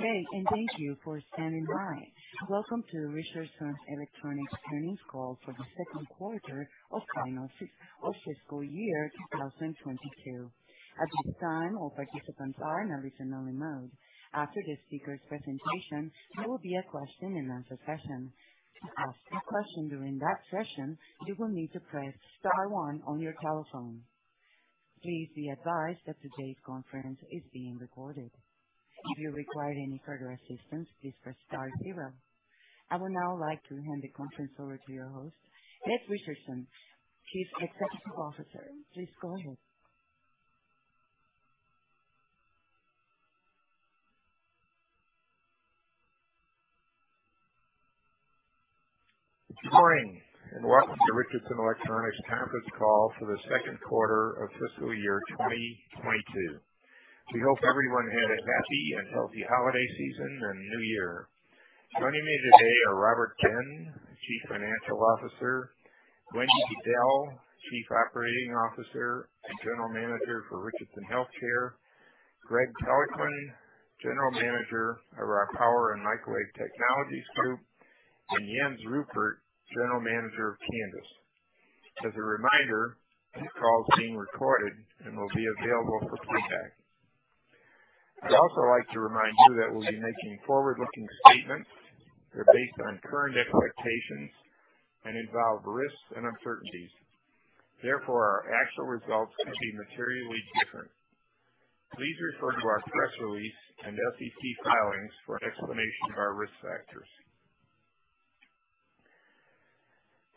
Hey, thank you for standing by. Welcome to the Richardson Electronics Earnings Call for the second quarter of fiscal year 2022. At this time, all participants are in a listen-only mode. After the speaker's presentation, there will be a question-and-answer session. To ask a question during that session, you will need to press star one on your telephone. Please be advised that today's conference is being recorded. If you require any further assistance, please press star zero. I would now like to hand the conference over to your host, Ed Richardson, Chief Executive Officer. Please go ahead. Good morning, and welcome to Richardson Electronics conference call for the second quarter of fiscal year 2022. We hope everyone had a happy and healthy holiday season and New Year. Joining me today are Robert Ben, Chief Financial Officer, Wendy Diddell, Chief Operating Officer and General Manager for Richardson Healthcare, Greg Peloquin, General Manager of our Power and Microwave Technologies Group, and Jens Ruppert, General Manager of Canvys. As a reminder, this call is being recorded and will be available for playback. I'd also like to remind you that we'll be making forward-looking statements that are based on current expectations and involve risks and uncertainties. Therefore, our actual results could be materially different. Please refer to our press release and SEC filings for an explanation of our risk factors.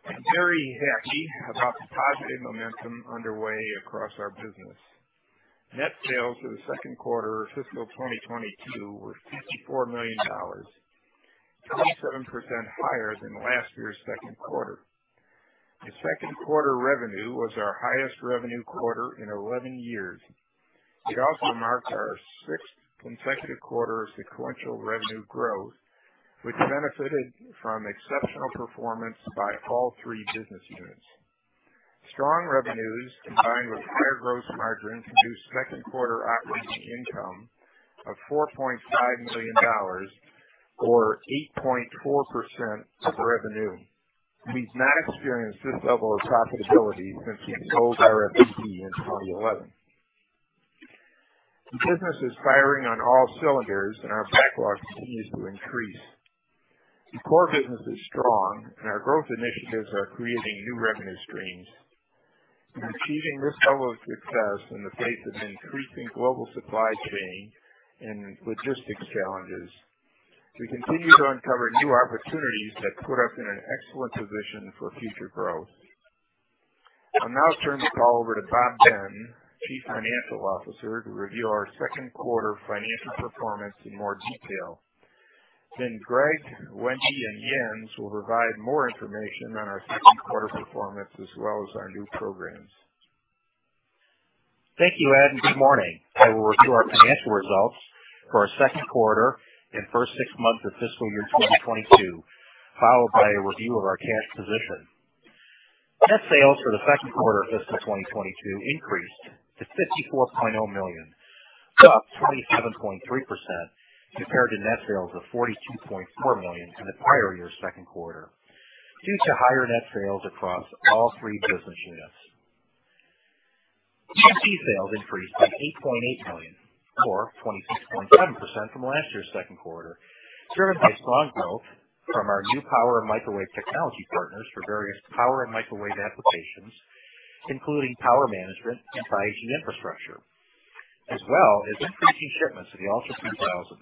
I'm very happy about the positive momentum underway across our business. Net sales for the second quarter of fiscal 2022 were $54 million, 27% higher than last year's second quarter. The second quarter revenue was our highest revenue quarter in 11 years. It also marked our sixth consecutive quarter of sequential revenue growth, which benefited from exceptional performance by all three business units. Strong revenues combined with higher gross margin produced second quarter operating income of $4.5 million or 8.4% of revenue. We've not experienced this level of profitability since we sold our RFPD in 2011. The business is firing on all cylinders and our backlog continues to increase. The core business is strong and our growth initiatives are creating new revenue streams. We're achieving this level of success in the face of increasing global supply chain and logistics challenges. We continue to uncover new opportunities that put us in an excellent position for future growth. I'll now turn the call over to Robert Ben, Chief Financial Officer, to review our second quarter financial performance in more detail. Greg, Wendy, and Jens will provide more information on our second quarter performance as well as our new programs. Thank you, Ed, and good morning. I will review our financial results for our second quarter and first six months of fiscal year 2022, followed by a review of our cash position. Net sales for the second quarter of fiscal 2022 increased to $54.0 million, up 27.3% compared to net sales of $42.4 million in the prior year's second quarter, due to higher net sales across all three business units. PMT sales increased to $8.8 million, or 26.7% from last year's second quarter, driven by strong growth from our new power and microwave technology partners for various power and microwave applications, including power management and 5G infrastructure, as well as increasing shipments of the ULTRA3000.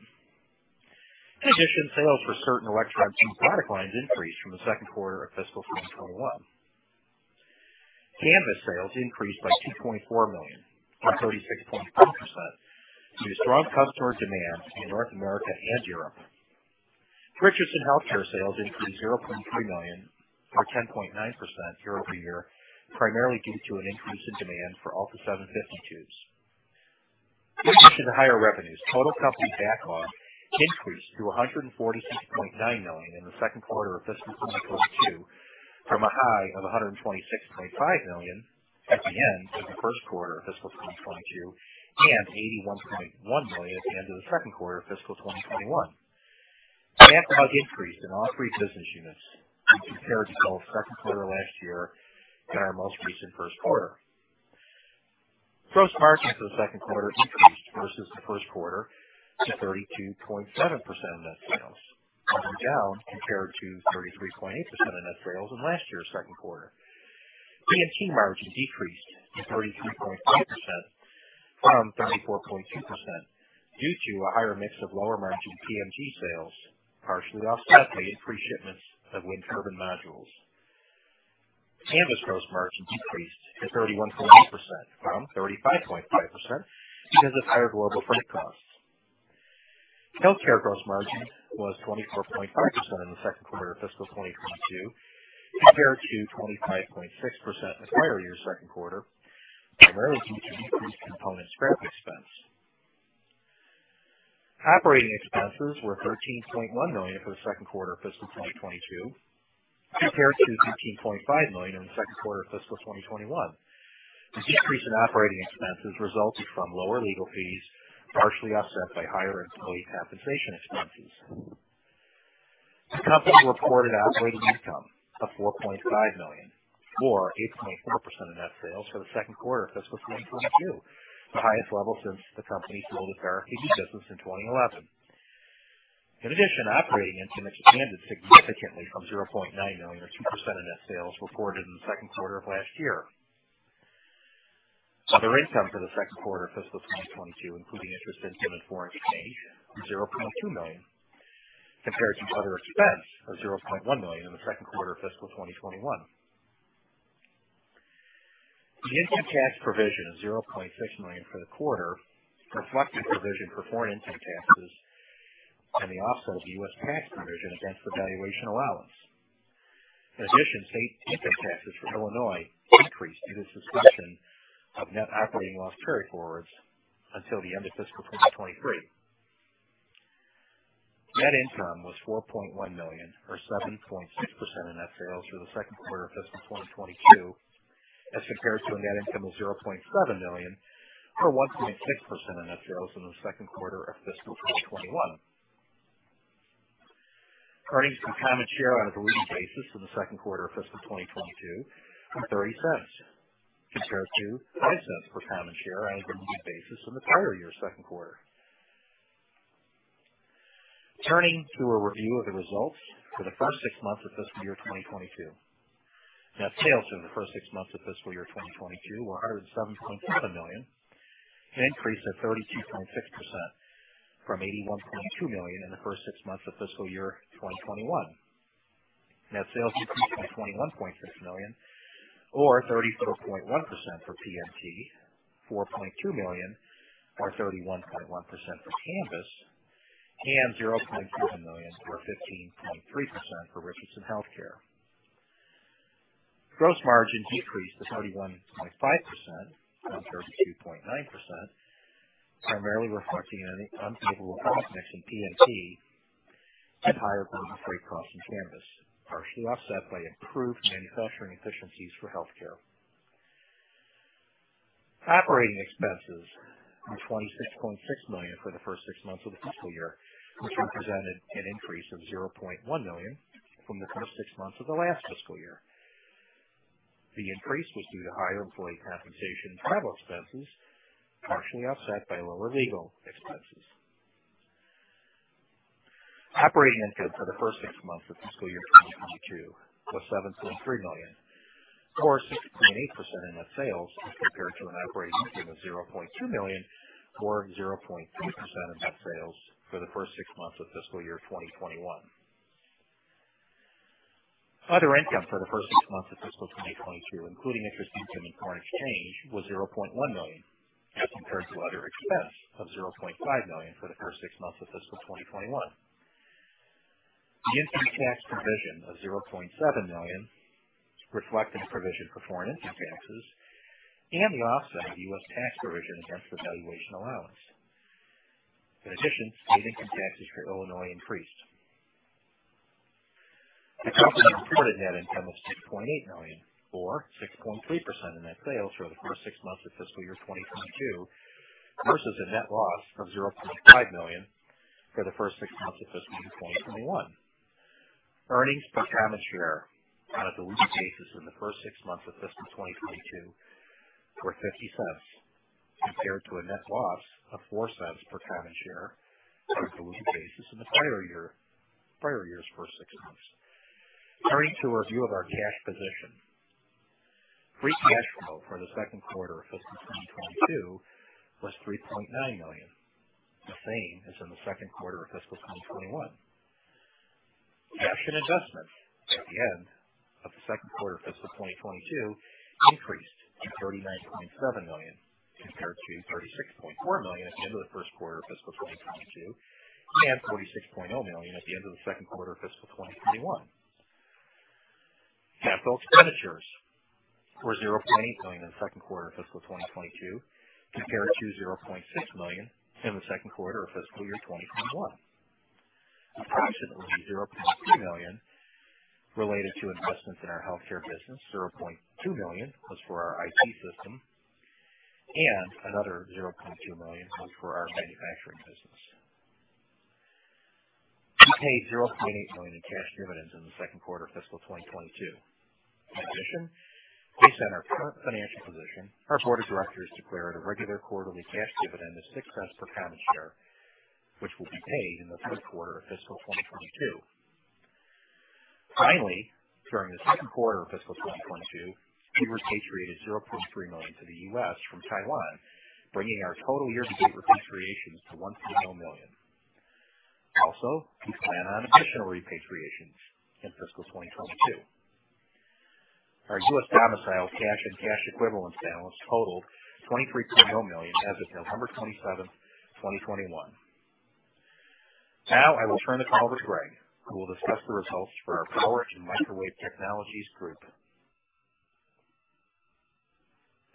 In addition, sales for certain electronics and product lines increased from the second quarter of fiscal 2021. Canvys sales increased by $2.4 million or 36.4% due to strong customer demand in North America and Europe. Richardson Healthcare sales increased $0.3 million or 10.9% year over year, primarily due to an increase in demand for ALTA750 tubes. In addition to higher revenues, total company backlog increased to $146.9 million in the second quarter of fiscal 2022 from $126.5 million at the end of the first quarter of fiscal 2022 and $81.1 million at the end of the second quarter of fiscal 2021. Backlog increased in all three business units when compared to both second quarter last year and our most recent first quarter. Gross margin for the second quarter increased versus the first quarter to 32.7% of net sales, coming down compared to 33.8% of net sales in last year's second quarter. PMT margin decreased to 33.5% from 34.2% due to a higher mix of lower-margin PMT sales, partially offset by increased shipments of wind turbine modules. Canvys gross margin decreased to 31.8% from 35.5% because of higher global freight costs. Healthcare gross margin was 24.5% in the second quarter of fiscal 2022 compared to 25.6% in the prior year's second quarter, primarily due to decreased component spare expense. Operating expenses were $13.1 million for the second quarter of fiscal 2022, compared to $13.5 million in the second quarter of fiscal 2021. This decrease in operating expenses resulted from lower legal fees, partially offset by higher employee compensation expenses. The company reported operating income of $4.5 million, or 8.4% of net sales for the second quarter of fiscal 2022, the highest level since the company sold RFPD business in 2011. In addition, operating income expanded significantly from $0.9 million, or 2% of net sales reported in the second quarter of last year. Other income for the second quarter of fiscal 2022, including interest income and foreign exchange, was $0.2 million, compared to other expense of $0.1 million in the second quarter of fiscal 2021. The income tax provision of $0.6 million for the quarter reflected provision for foreign income taxes and the offset of U.S. tax provision against the valuation allowance. In addition, state income taxes for Illinois increased due to suspension of net operating loss carryforwards until the end of fiscal 2023. Net income was $4.1 million, or 7.6% of net sales for the second quarter of fiscal 2022, as compared to a net income of $0.7 million or 1.6% of net sales in the second quarter of fiscal 2021. Earnings per common share on a diluted basis in the second quarter of fiscal 2022 were $0.30 compared to $0.05 per common share on a diluted basis in the prior year second quarter. Turning to a review of the results for the first six months of fiscal year 2022. Net sales in the first six months of fiscal year 2022 were $107.7 million, an increase of 32.6% from $81.2 million in the first six months of fiscal year 2021. Net sales increased by $21.6 million or 34.1% for PMT, $4.2 million or 31.1% for Canvys, and $0.2 million or 15.3% for Richardson Healthcare. Gross margin decreased to 31.5% from 32.9%, primarily reflecting an unfavorable product mix in PMT and higher bill of freight costs in Canvys, partially offset by improved manufacturing efficiencies for Healthcare. Operating expenses were $26.6 million for the first six months of the fiscal year, which represented an increase of $0.1 million from the first six months of the last fiscal year. The increase was due to higher employee compensation and travel expenses, partially offset by lower legal expenses. Operating income for the first six months of fiscal year 2022 was $7.3 million, or 16.8% of net sales as compared to an operating income of $0.2 million or 0.3% of net sales for the first six months of fiscal year 2021. Other income for the first six months of fiscal 2022, including interest income and foreign exchange, was $0.1 million as compared to other expense of $0.5 million for the first six months of fiscal 2021. The income tax provision of $0.7 million reflected provision for foreign income taxes and the offset of U.S. tax provision against the valuation allowance. In addition, state income taxes for Illinois increased. The company reported net income of $6.8 million or 6.3% of net sales for the first six months of fiscal year 2022 versus a net loss of $0.5 million for the first six months of fiscal year 2021. Earnings per common share on a diluted basis in the first six months of fiscal year 2022 were $0.50 compared to a net loss of $0.04 per common share on a diluted basis in the prior year, prior year's first six months. Turning to a review of our cash position. Free cash flow for the second quarter of fiscal 2022 was $3.9 million, the same as in the second quarter of fiscal 2021. Cash and investments at the end of the second quarter of fiscal 2022 increased to $39.7 million compared to $36.4 million at the end of the first quarter of fiscal 2022 and $46.0 million at the end of the second quarter of fiscal 2021. Capital expenditures were $0.8 million in the second quarter of fiscal 2022 compared to $0.6 million in the second quarter of fiscal year 2021. Approximately $0.3 million related to investments in our healthcare business, $0.2 million was for our IT system, and another $0.2 million was for our manufacturing business. We paid $0.8 million in cash dividends in the second quarter of fiscal 2022. In addition, based on our current financial position, our board of directors declared a regular quarterly cash dividend of $0.06 per common share which will be paid in the third quarter of fiscal 2022. Finally, during the second quarter of fiscal 2022, we repatriated $0.3 million to the U.S. from Taiwan, bringing our total year-to-date repatriations to $1.0 million. Also, we plan on additional repatriations in fiscal 2022. Our U.S. domicile cash and cash equivalents balance totaled $23.0 million as of November 27, 2021. Now I will turn the call over to Greg, who will discuss the results for our Power and Microwave Technologies Group.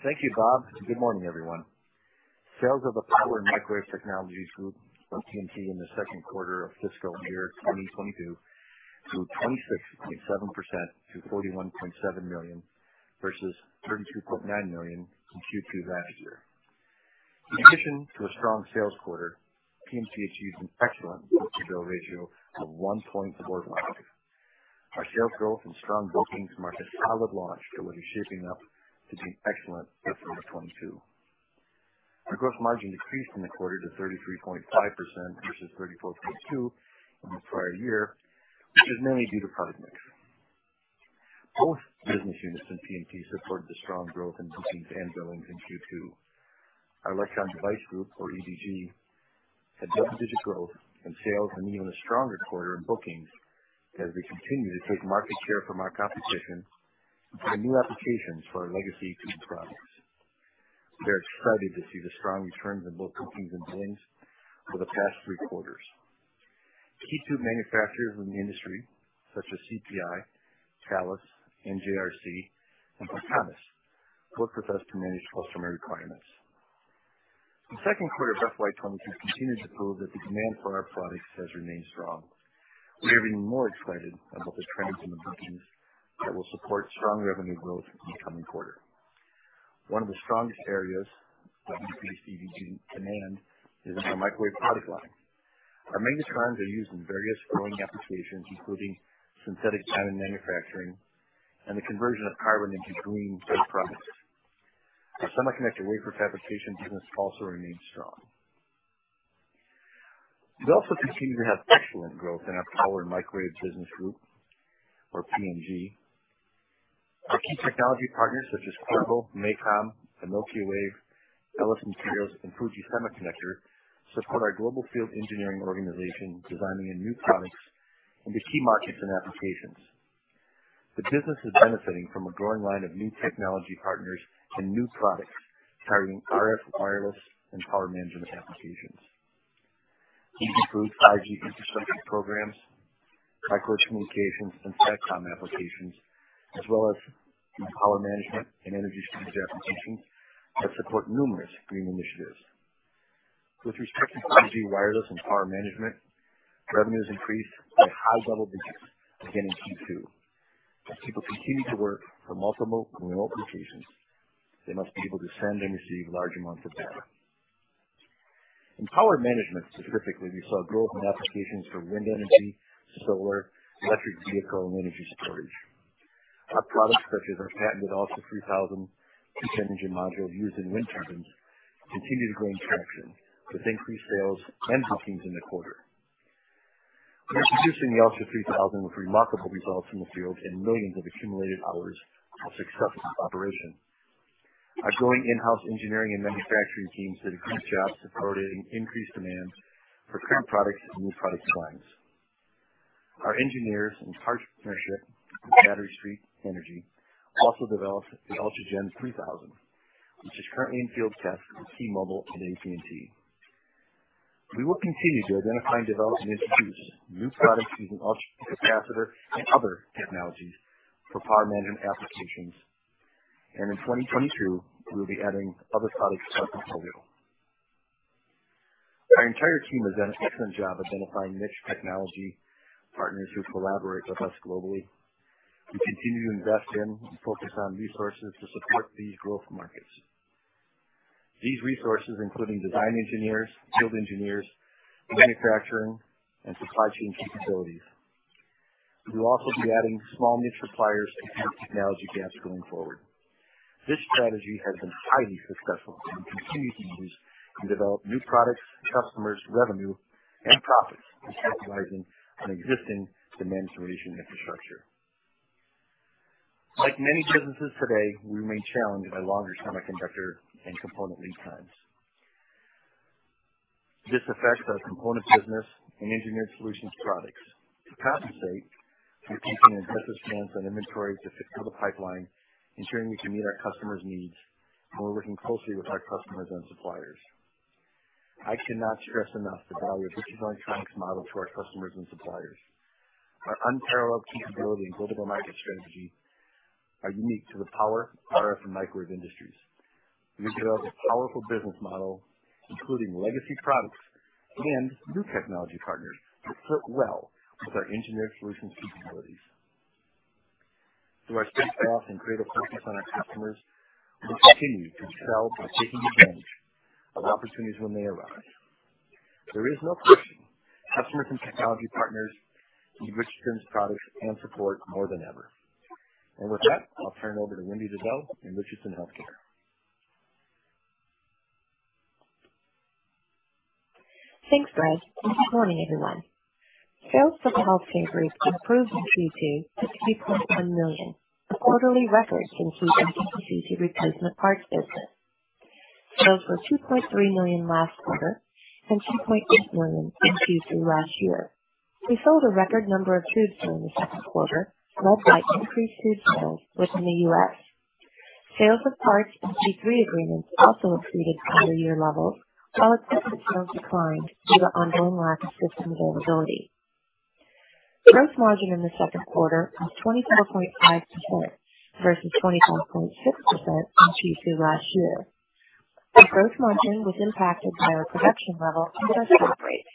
Thank you, Bob. Good morning, everyone. Sales of the Power and Microwave Technologies Group of P&T in the second quarter of fiscal year 2022 grew 26.7% to $41.7 million versus $32.9 million in Q2 last year. In addition to a strong sales quarter, P&T achieved an excellent book-to-bill ratio of 1.45. Our sales growth and strong bookings mark a solid launch that was shaping up to be excellent for fiscal 2022. Our gross margin decreased in the quarter to 33.5% versus 34.2 in the prior year, which is mainly due to product mix. Both business units in P&T supported the strong growth in bookings and billings in Q2. Our Electron Device Group, or EDG, had double-digit growth in sales and an even stronger quarter in bookings as we continue to take market share from our competition and new applications for our legacy products. We are excited to see the strong returns in both bookings and billings for the past three quarters. Key tube manufacturers in the industry such as CPI, Thales, NJRC, and Bartanás work with us to manage customer requirements. The second quarter of FY 2022 continued to prove that the demand for our products has remained strong. We are even more excited about the trends in the bookings that will support strong revenue growth in the coming quarter. One of the strongest areas of increased EDG demand is in our microwave product line. Our magnetrons are used in various growing applications, including synthetic diamond manufacturing and the conversion of carbon into green products. Our semiconductor wafer fabrication business also remains strong. We also continue to have excellent growth in our Power and Microwave Group, or PMG. Our key technology partners, such as Qorvo, MACOM, Millitech, LS Materials, and Fuji Electric, support our global field engineering organization, designing in new products into key markets and applications. The business is benefiting from a growing line of new technology partners and new products targeting RF, wireless, and power management applications. These include 5G infrastructure programs, high growth communications, and SATCOM applications, as well as power management and energy storage applications that support numerous green initiatives. With respect to 5G wireless and power management, revenues increased at high double digits again in Q2. As people continue to work from multiple remote locations, they must be able to send and receive large amounts of data. In power management specifically, we saw growth in applications for wind energy, solar, electric vehicle, and energy storage. Our products, such as our patented ULTRA3000 heat engine module used in wind turbines, continue to gain traction with increased sales and bookings in the quarter. We are producing the ULTRA3000 with remarkable results in the field and millions of accumulated hours of successful operation. Our growing in-house engineering and manufacturing teams did a great job supporting increased demand for current products and new product designs. Our engineers, in partnership with Battery Street Energy, also developed the ULTRAGEN3000, which is currently in field test with T-Mobile and AT&T. We will continue to identify and develop and introduce new products using ultracapacitor and other technologies for power management applications. In 2022, we will be adding other products to our portfolio. Our entire team has done an excellent job identifying niche technology partners who collaborate with us globally. We continue to invest in and focus on resources, including design engineers, field engineers, manufacturing, and supply chain capabilities, to support these growth markets. We will also be adding small niche suppliers to meet technology gaps going forward. This strategy has been highly successful, and we continue to use and develop new products, customers, revenue, and profits, capitalizing on existing demand generation infrastructure. Like many businesses today, we remain challenged by longer semiconductor and component lead times. This affects our components business and engineered solutions products. To compensate, we are keeping inventory stance and inventory to fulfill the pipeline, ensuring we can meet our customers' needs, and we're working closely with our customers and suppliers. I cannot stress enough the value of Richardson Electronics' model to our customers and suppliers. Our unparalleled capability and global market strategy are unique to the power, RF, and microwave industries. We developed a powerful business model, including legacy products and new technology partners that fit well with our engineered solutions capabilities. Through our steep staff and creative focus on our customers, we continue to excel by taking advantage of opportunities when they arise. There is no question customers and technology partners need Richardson's products and support more than ever. With that, I'll turn it over to Wendy Diddell in Richardson Healthcare. Thanks, Greg Peloquin. Good morning, everyone. Sales for the healthcare group improved in Q2 to $3.1 million, a quarterly record in CT replacement parts business. Sales were $2.3 million last quarter and $2.8 million in Q2 last year. We sold a record number of tubes during the second quarter, led by increased tube sales within the U.S. Sales of parts and P3 agreements also increased year-over-year, while accessory sales declined due to ongoing lack of system availability. Gross margin in the second quarter was 24.5% versus 24.6% in Q2 last year. The gross margin was impacted by our production level and industrial rate.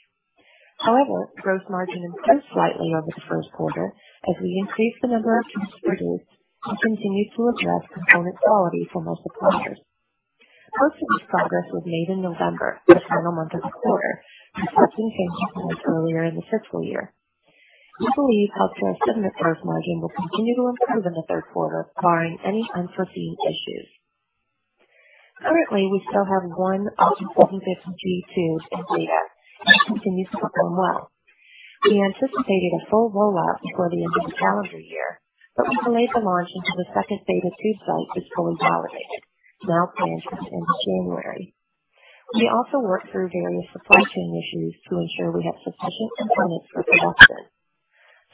However, gross margin improved slightly over the first quarter as we increased the number of kits produced and continued to address component quality for most suppliers. Most of this progress was made in November, the final month of the quarter, reflecting changes made earlier in the fiscal year. We believe Healthcare's gross margin will continue to improve in the third quarter, barring any unforeseen issues. Currently, we still have one Opti 1450 G2 in beta and continues to perform well. We anticipated a full rollout before the end of the calendar year, but we delayed the launch until the second beta site is fully validated. Now planned for end of January. We also worked through various supply chain issues to ensure we have sufficient components for production.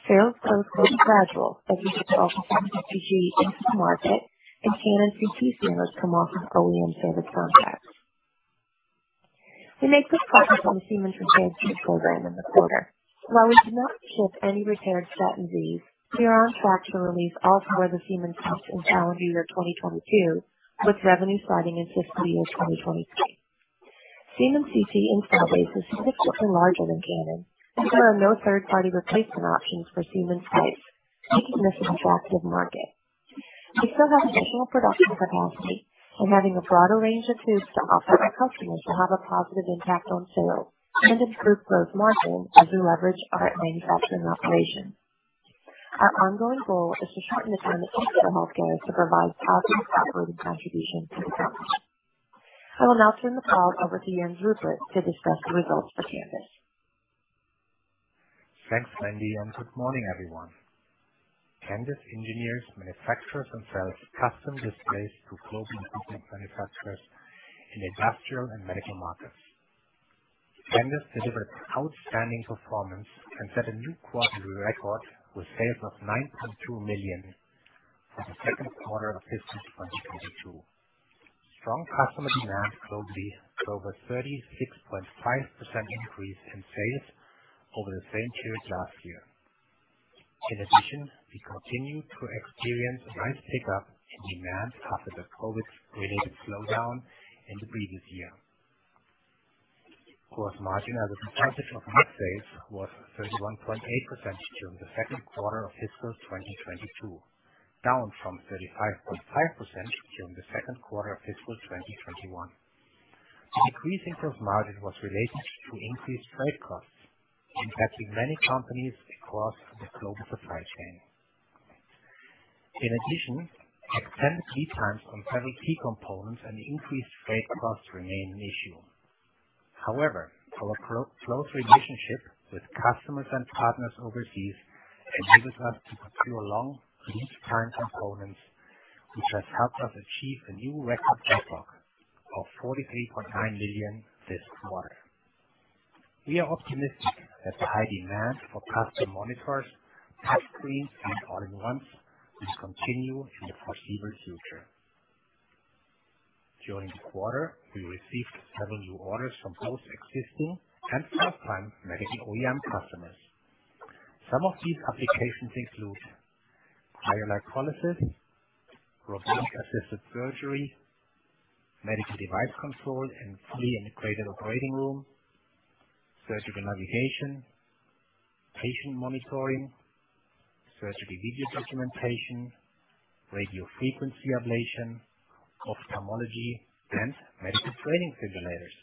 Sales growth was gradual as we get Opti 1450 into the market and Canon CT sales come off of OEM service contracts. We made good progress on the Siemens Straton program in the quarter. While we did not ship any repaired Straton, we are on track to release all four of the Siemens in calendar year 2022, with revenue sliding into fiscal year 2023. Siemens CT installed base is significantly larger than Canon. There are no third-party replacement options for Siemens sites, making this an attractive market. We still have additional production capacity and having a broader range of tubes to offer our customers to have a positive impact on sales and improve gross margin as we leverage our manufacturing operations. Our ongoing goal is to shorten the time it takes for Healthcare to provide positive operating contribution to the company. I will now turn the call over to Jens Ruppert to discuss the results for Canvys. Thanks, Wendy, and good morning, everyone. Canvys engineers, manufactures and sells custom displays to OEM equipment manufacturers in industrial and medical markets. Canvys delivered outstanding performance and set a new quarterly record with sales of $9.2 million for the second quarter of fiscal 2022. Strong customer demand globally drove a 36.5% increase in sales over the same period last year. In addition, we continue to experience a nice pickup in demand after the COVID-related slowdown in the previous year. Gross margin as a percentage of net sales was 31.8% during the second quarter of fiscal 2022, down from 35.5% during the second quarter of fiscal 2021. The decrease in gross margin was related to increased freight costs impacting many companies across the global supply chain. In addition, extended lead times on several key components and increased freight costs remain an issue. However, our close relationship with customers and partners overseas enables us to procure long lead time components, which has helped us achieve a new record backlog of $43.9 million this quarter. We are optimistic that the high demand for custom monitors, touch screens, and all-in-ones will continue in the foreseeable future. During the quarter, we received several new orders from both existing and first time medical OEM customers. Some of these applications include cryolipolysis, robotic-assisted surgery, medical device control, and fully integrated operating room, surgical navigation, patient monitoring, surgery video documentation, radiofrequency ablation, ophthalmology, and medical training simulators.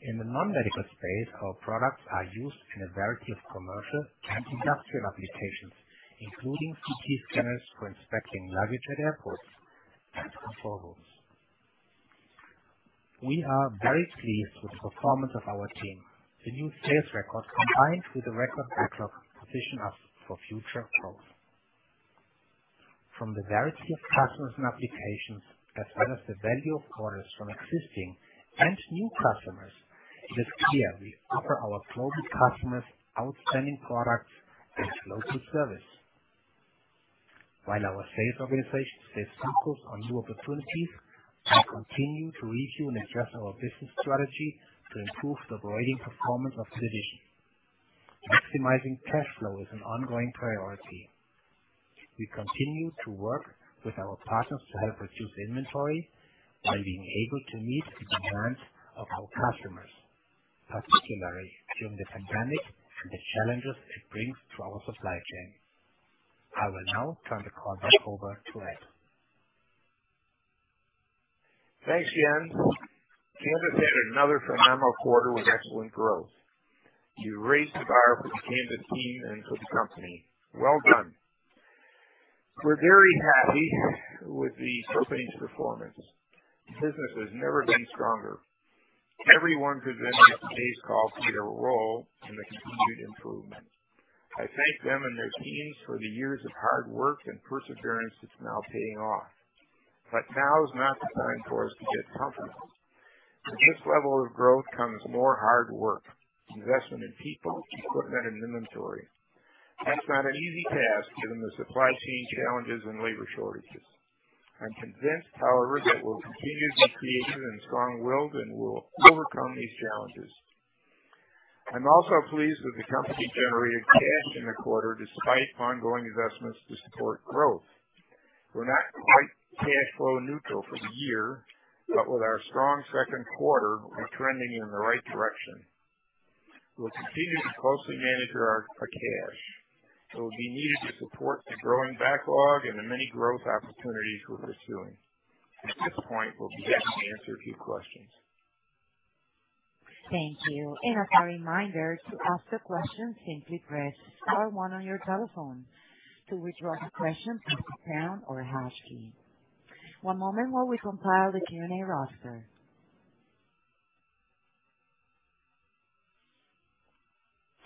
In the non-medical space, our products are used in a variety of commercial and industrial applications, including CT scanners for inspecting luggage at airports and control rooms. We are very pleased with the performance of our team. The new sales record, combined with the record backlog, position us for future growth. From the variety of customers and applications, as well as the value of orders from existing and new customers, it is clear we offer our global customers outstanding products and global service. While our sales organization stays focused on new opportunities, we continue to review and adjust our business strategy to improve the operating performance of the division. Maximizing cash flow is an ongoing priority. We continue to work with our partners to help reduce inventory while being able to meet the demands of our customers, particularly during the pandemic and the challenges it brings to our supply chain. I will now turn the call back over to Ed. Thanks, Jens. Canvys had another phenomenal quarter with excellent growth. You raised the bar for the Canvys team and for the company. Well done. We're very happy with the company's performance. Business has never been stronger. Everyone presenting on today's call played a role in the continued improvement. I thank them and their teams for the years of hard work and perseverance that's now paying off. Now is not the time for us to get comfortable. With this level of growth comes more hard work, investment in people, equipment, and inventory. That's not an easy task given the supply chain challenges and labor shortages. I'm convinced, however, that we'll continue to be creative and strong-willed, and we'll overcome these challenges. I'm also pleased that the company generated cash in the quarter despite ongoing investments to support growth. We're not quite cash flow neutral for the year, but with our strong second quarter, we're trending in the right direction. We'll continue to closely manage our cash. It will be needed to support the growing backlog and the many growth opportunities we're pursuing. At this point, we'll be happy to answer a few questions.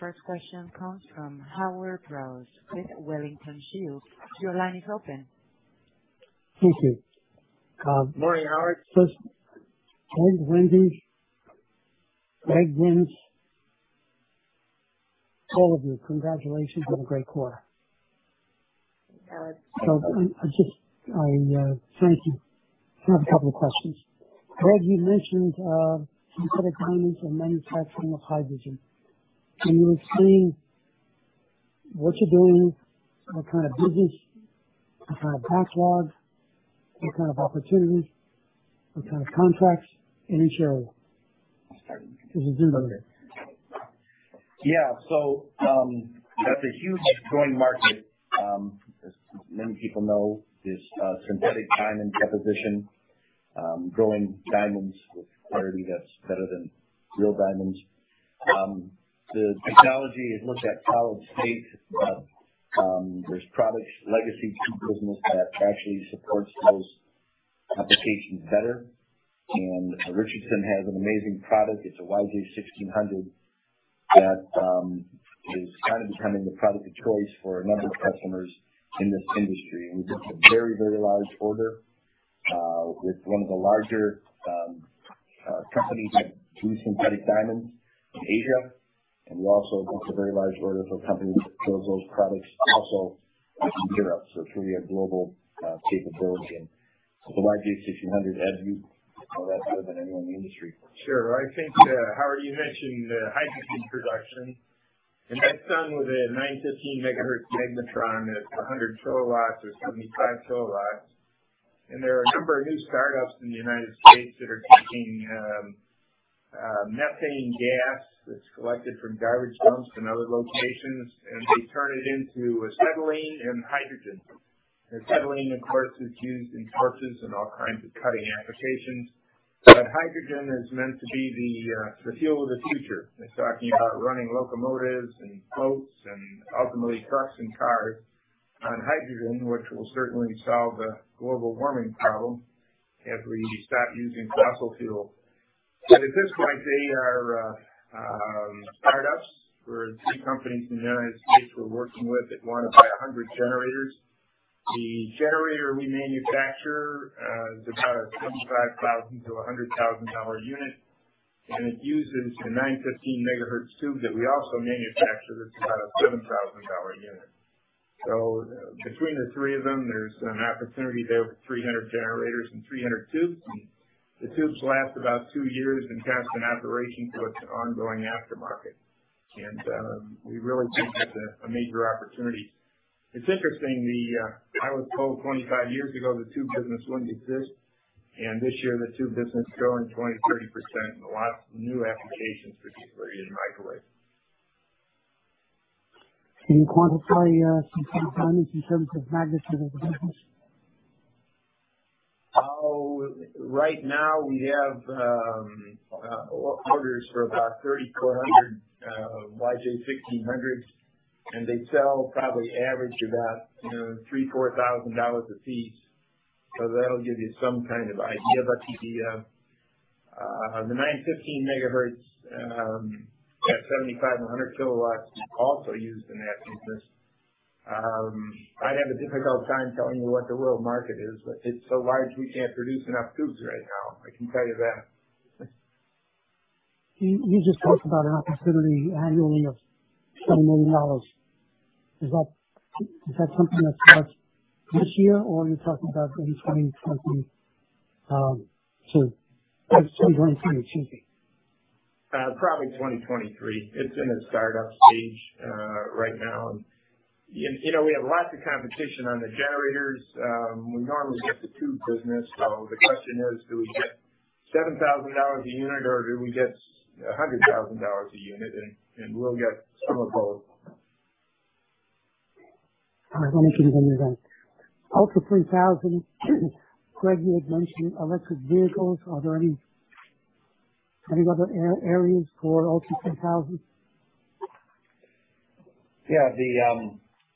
First question comes from Howard Brous with Wellington Shields. Your line is open. Thank you. Morning, Howard. First, Ed, Wendy, Greg, Jens, all of you, congratulations on a great quarter. Thank you, Howard. I thank you. I have a couple of questions. Greg, you mentioned synthetic diamonds and manufacturing of hydrogen. Can you explain what you're doing, what kind of business, what kind of backlog, what kind of opportunities, what kind of contracts in each area? I'll start with you. Because you're doing it. Yeah. That's a huge growing market, as many people know, is synthetic diamond deposition, growing diamonds with clarity that's better than real diamonds. The technology is looked at closely, but there's legacy tube business that actually supports those applications better. Richardson has an amazing product. It's a YJ1600 that is kind of becoming the product of choice for a number of customers in this industry. We booked a very, very large order with one of the larger companies that do synthetic diamonds in Asia. We also booked a very large order for a company that sells those products also in Europe. It's really a global capability. The YJ1600, Ed, you know that better than anyone in the industry. Sure. I think, Howard, you mentioned hydrogen production, and that's done with a 915 MHz magnetron. It's 100 kilowatts or 75 kilowatts. There are a number of new startups in the United States that are taking methane gas that's collected from garbage dumps and other locations, and they turn it into acetylene and hydrogen. Acetylene, of course, is used in torches and all kinds of cutting applications. Hydrogen is meant to be the fuel of the future. It's talking about running locomotives and boats and ultimately trucks and cars on hydrogen, which will certainly solve the global warming problem if we stop using fossil fuel. At this point, they are startups. We are working with two companies in the United States that want to buy 100 generators. The generator we manufacture is about a $75,000-$100,000 unit, and it uses the 915 MHz tube that we also manufacture. That's about a $7,000 unit. Between the three of them, there's an opportunity there for 300 generators and 300 tubes. The tubes last about two years and cost in operation, so it's an ongoing aftermarket. We really think it's a major opportunity. It's interesting. I was told 25 years ago the tube business wouldn't exist, and this year the tube business is growing 20%-30%. A lot of new applications, particularly in microwave. Can you quantify, synthetic diamonds in terms of magnitude of the business? Oh, right now we have orders for about 3,400 YJ1600s, and they sell probably average about, you know, $3,000-$4,000 a piece. That'll give you some kind of idea. The 915 MHz at 75 kW and 100 kW is also used in that business. I'd have a difficult time telling you what the world market is, but it's so large we can't produce enough tubes right now. I can tell you that. You just talked about an opportunity annually of $7 million. Is that something that starts this year or are you talking about in 2022? Say 2022. Probably 2023. It's in the startup stage right now. You know, we have lots of competition on the generators. We normally get the tube business. The question is, do we get $7,000 a unit or do we get $100,000 a unit? We'll get some of both. All right. Let me give you another one. Ultra 10,000. Greg, you had mentioned electric vehicles. Are there any other areas for Ultra 10,000? Yeah.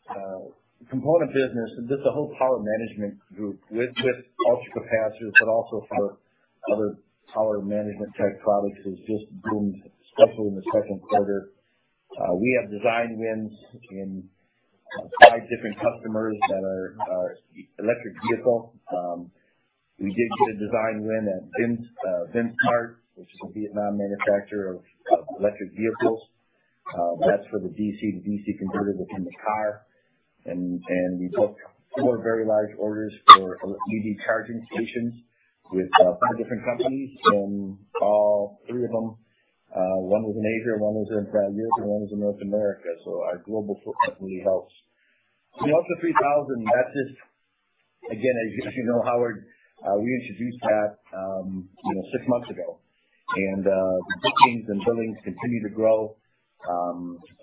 The component business, just the whole Power & Microwave Group with ultracapacitors, but also for other power management type products, has just boomed, especially in the second quarter. We have design wins in five different customers that are electric vehicle. We did get a design win at VinFast, which is a Vietnamese manufacturer of electric vehicles. That's for the DC-DC converter that's in the car. And we booked four very large orders for EV charging stations with five different companies. All three of them, one was in Asia, one was in Europe, and one was in North America. Our global footprint really helps. ULTRA3000, that's just again, as you know, Howard, we introduced that, you know, six months ago. The bookings and billings continue to grow.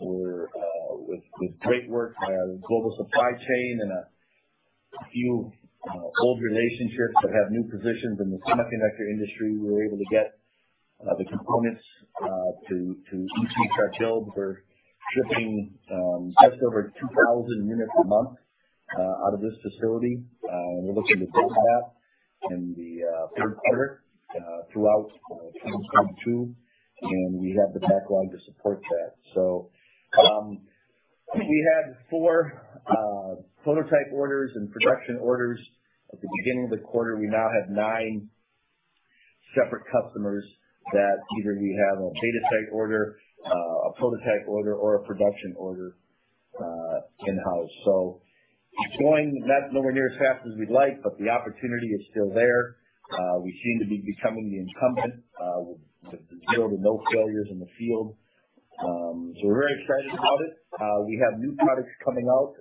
We're with great work by our global supply chain and a few old relationships that have new positions in the semiconductor industry. We were able to get the components to each be kitted. We're shipping just over 2,000 units a month out of this facility. We're looking to double that in the third quarter throughout 2022. We have the backlog to support that. We had 4 prototype orders and production orders at the beginning of the quarter. We now have 9 separate customers that either we have a data site order, a prototype order, or a production order in-house. It's going nowhere near as fast as we'd like, but the opportunity is still there. We seem to be becoming the incumbent with zero to no failures in the field. We're very excited about it. We have new products coming out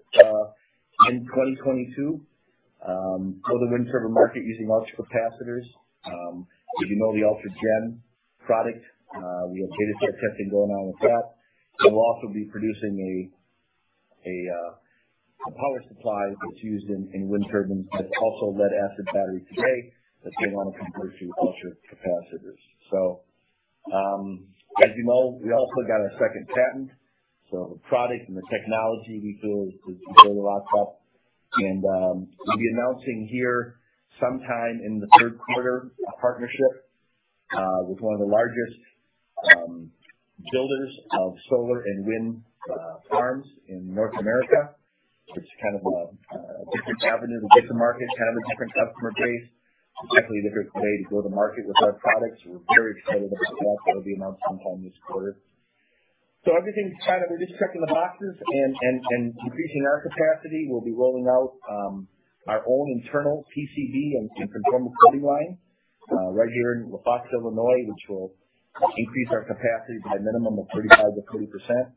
in 2022 for the wind turbine market using ultracapacitors. As you know, the ULTRAGEN product, we have beta site testing going on with that. We'll also be producing a power supply that's used in wind turbines that's also lead-acid batteries today that they wanna convert to ultracapacitors. As you know, we also got a second patent. The product and the technology we feel is really locked up. We'll be announcing here sometime in the third quarter, a partnership with one of the largest builders of solar and wind farms in North America, which is kind of a different avenue to get to market, kind of a different customer base. It's definitely a different way to go to market with our products. We're very excited about that. That'll be announced sometime this quarter. Everything's kind of. We're just checking the boxes and increasing our capacity. We'll be rolling out our own internal PCB and conformal coating line right here in LaFox, Illinois, which will increase our capacity by a minimum of 35%-40%.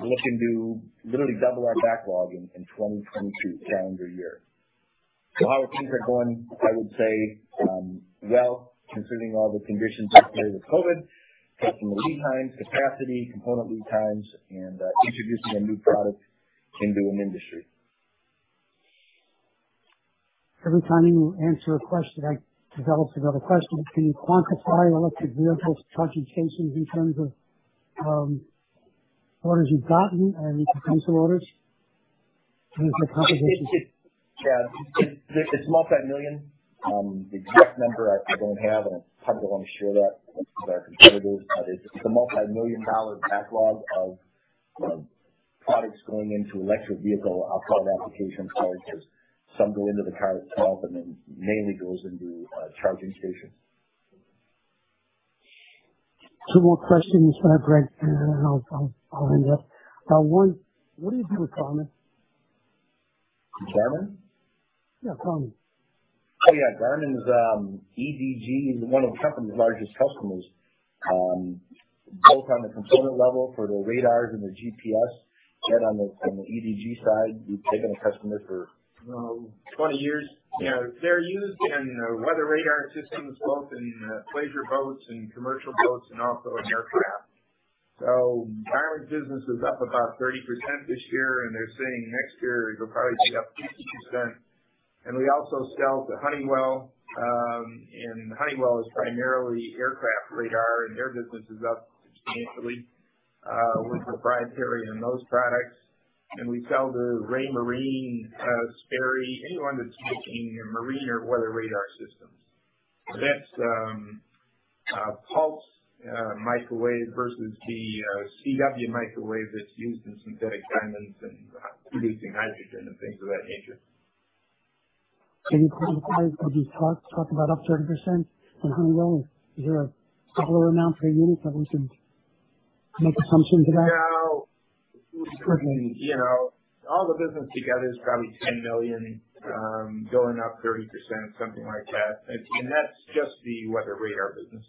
We're looking to literally double our backlog in 2022 calendar year. A lot of things are going, I would say, well, considering all the conditions associated with COVID, cutting the lead times, capacity, component lead times, and introducing a new product into an industry. Every time you answer a question, I develop another question. Can you quantify electric vehicles charging stations in terms of orders you've gotten and potential orders? What is the composition? It's multi-million. The exact number I don't have, and I probably don't wanna share that with our competitors. It's a multi-million-dollar backlog of products going into electric vehicle outside application chargers. Some go into the car itself, and then mainly goes into charging stations. Two more questions, Greg, and then I'll end up. One, what do you do with Garmin? Garmin? Yeah, Garmin. Oh, yeah. Garmin's EDG is one of the company's largest customers, both on the component level for the radars and the GPS. On the EDG side, we've been a customer for, I don't know, 20 years. You know, they're used in weather radar systems, both in pleasure boats and commercial boats and also in aircraft. Garmin's business is up about 30% this year, and they're saying next year it'll probably be up 50%. We also sell to Honeywell. Honeywell is primarily aircraft radar, and their business is up substantially with proprietary in those products. We sell to Raymarine, Sperry, anyone that's making marine or weather radar systems. That's pulsed microwave versus the CW microwave that's used in synthetic diamonds and producing hydrogen and things of that nature. Can you quantify what you talked about up 30% on Honeywell? Is there a dollar amount per unit that we should make assumption to that? No. Roughly. You know, all the business together is probably $10 million, going up 30%, something like that. That's just the weather radar business.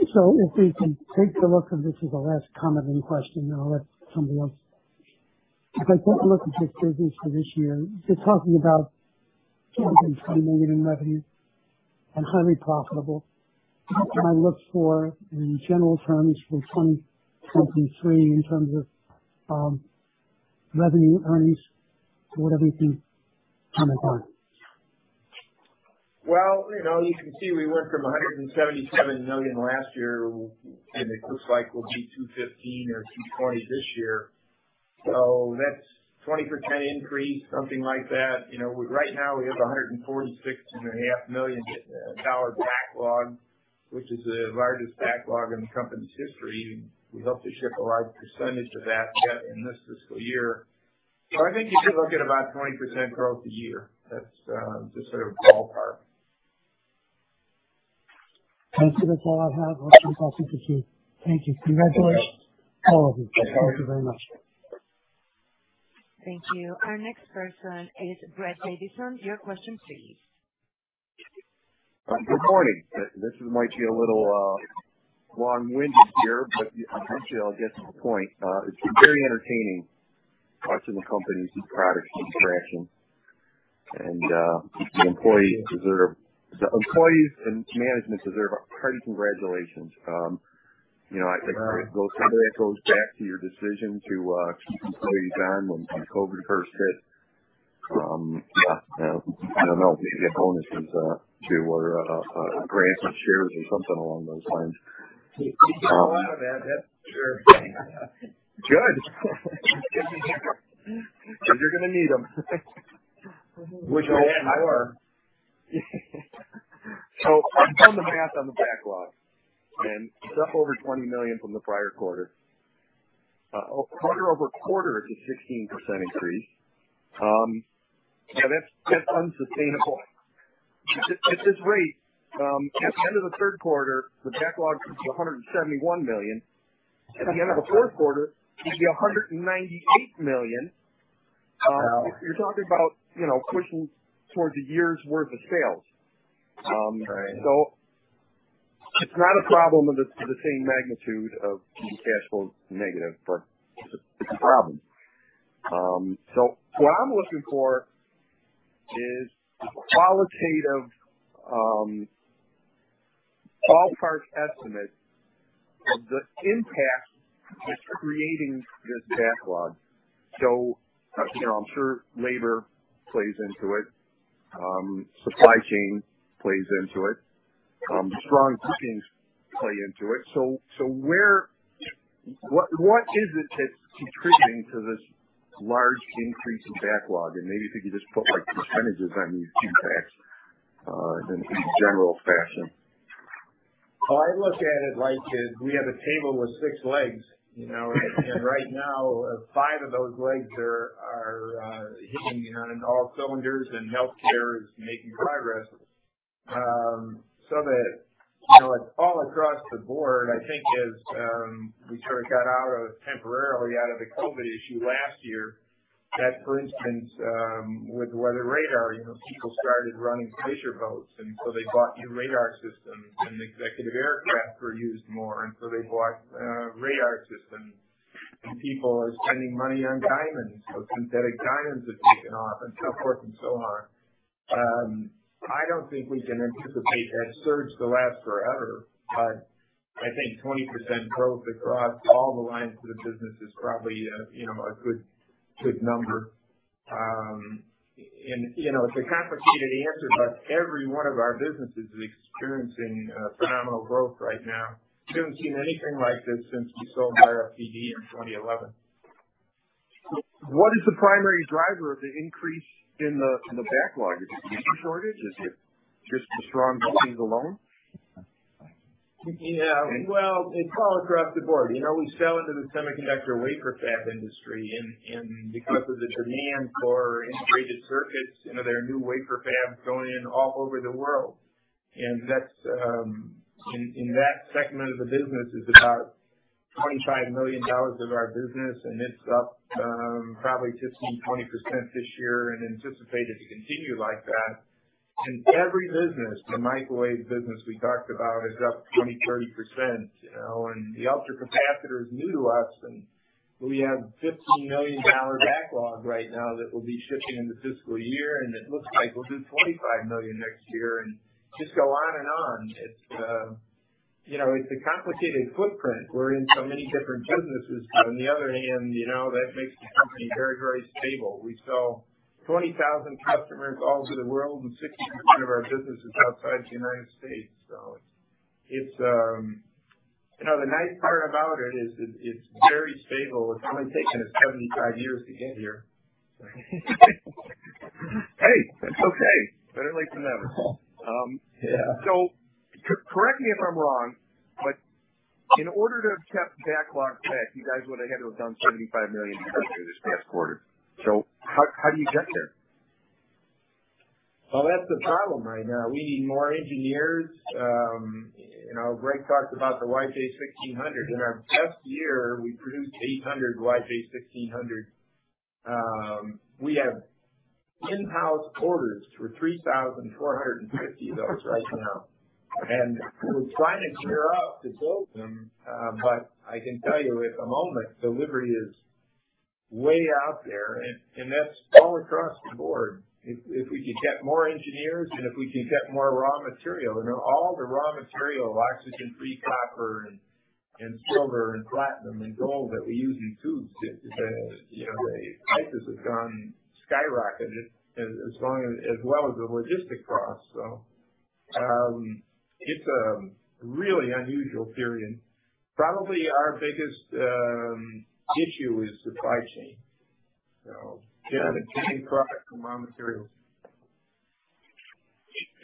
If we can take a look, and this is the last comment and question, then I'll let someone else. If I take a look at this business for this year, you're talking about $23 million in revenue and highly profitable. What can I look for in general terms for 2023 in terms of revenue earnings for what everything comes up? Well, you know, you can see we went from $177 million last year, and it looks like we'll be $215 or $220 this year. That's 20% increase, something like that. You know, right now we have a $146.5 million dollar backlog, which is the largest backlog in the company's history. We hope to ship a large percentage of that yet in this fiscal year. I think you should look at about 20% growth a year. That's just sort of ballpark. Thank you. That's all I have. Thank you. Thank you. Congratulations, all of you. Thank you very much. Thank you. Our next person is Brett Davidson. Your question please. Good morning. This might be a little long-winded here, but eventually I'll get to the point. It's been very entertaining watching the company's products keep crashing, and the employees and management deserve a hearty congratulations. You know, I think some of that goes back to your decision to keep employees on when COVID first hit. Yeah, I don't know if bonuses or grants of shares or something along those lines. We've got a lot of that. Sure. Good. You're gonna need them. Which I am. I've done the math on the backlog, and it's up over $20 million from the prior quarter. Quarter-over-quarter is a 16% increase. You know, that's unsustainable. At this rate, at the end of the third quarter, the backlog is $171 million. At the end of the fourth quarter, it'll be $198 million. Wow. You're talking about, you know, pushing towards a year's worth of sales. It's not a problem of the same magnitude of being cash flow negative, but it's a problem. What I'm looking for is a qualitative ballpark estimate of the impact of creating this backlog. You know, I'm sure labor plays into it. Supply chain plays into it. Strong bookings play into it. What is it that's contributing to this large increase in backlog? Maybe if you could just put like percentages on these impacts in general fashion. I look at it like we have a table with six legs, you know, and right now five of those legs are hitting on all cylinders, and healthcare is making progress. So that, you know, it's all across the board. I think as we sort of temporarily out of the COVID issue last year, that, for instance, with weather radar, you know, people started running pleasure boats, and so they bought new radar systems, and executive aircraft were used more, and so they bought radar systems. People are spending money on diamonds, so synthetic diamonds have taken off and so forth and so on. I don't think we can anticipate that surge to last forever, but I think 20% growth across all the lines of the business is probably, you know, a good number. You know, it's a complicated answer, but every one of our businesses is experiencing phenomenal growth right now. We haven't seen anything like this since we sold RFPD in 2011. What is the primary driver of the increase in the backlog? Is it feature shortage? Is it just the strong bookings alone? Yeah. Well, it's all across the board. You know, we sell into the semiconductor wafer fab industry. Because of the demand for integrated circuits, you know, there are new wafer fabs going in all over the world. That's in that segment of the business is about $25 million of our business. It's up probably 15%-20% this year and anticipated to continue like that. Every business, the microwave business we talked about is up 20%-30%, you know. The ultracapacitor is new to us, and we have $15 million backlog right now that we'll be shipping in the fiscal year. It looks like we'll do $25 million next year and just go on and on. It's, you know, it's a complicated footprint. We're in so many different businesses. On the other hand, you know, that makes the company very, very stable. We sell 20,000 customers all through the world, and 60% of our business is outside the United States. It's, you know, the nice part about it is it's very stable. It's only taken us 75 years to get here. Hey, that's okay. Better late than never. Yeah. Correct me if I'm wrong, but in order to have kept backlog back, you guys would have had to have done $75 million in revenue this past quarter. How do you get there? Well, that's the problem right now. We need more engineers. You know, Greg talked about the YJ1600. In our best year, we produced 800 YJ1600. We have in-house orders for 3,450 of those right now. We're trying to gear up to build them. But I can tell you at the moment, delivery is way out there, and that's all across the board. If we could get more engineers and if we could get more raw material. You know, all the raw material, oxygen-free copper and silver and platinum and gold that we use in tubes, the prices have gone skyrocketed as well as the logistics costs. It's a really unusual period. Probably our biggest issue is supply chain. Yeah, the shipping product and raw materials.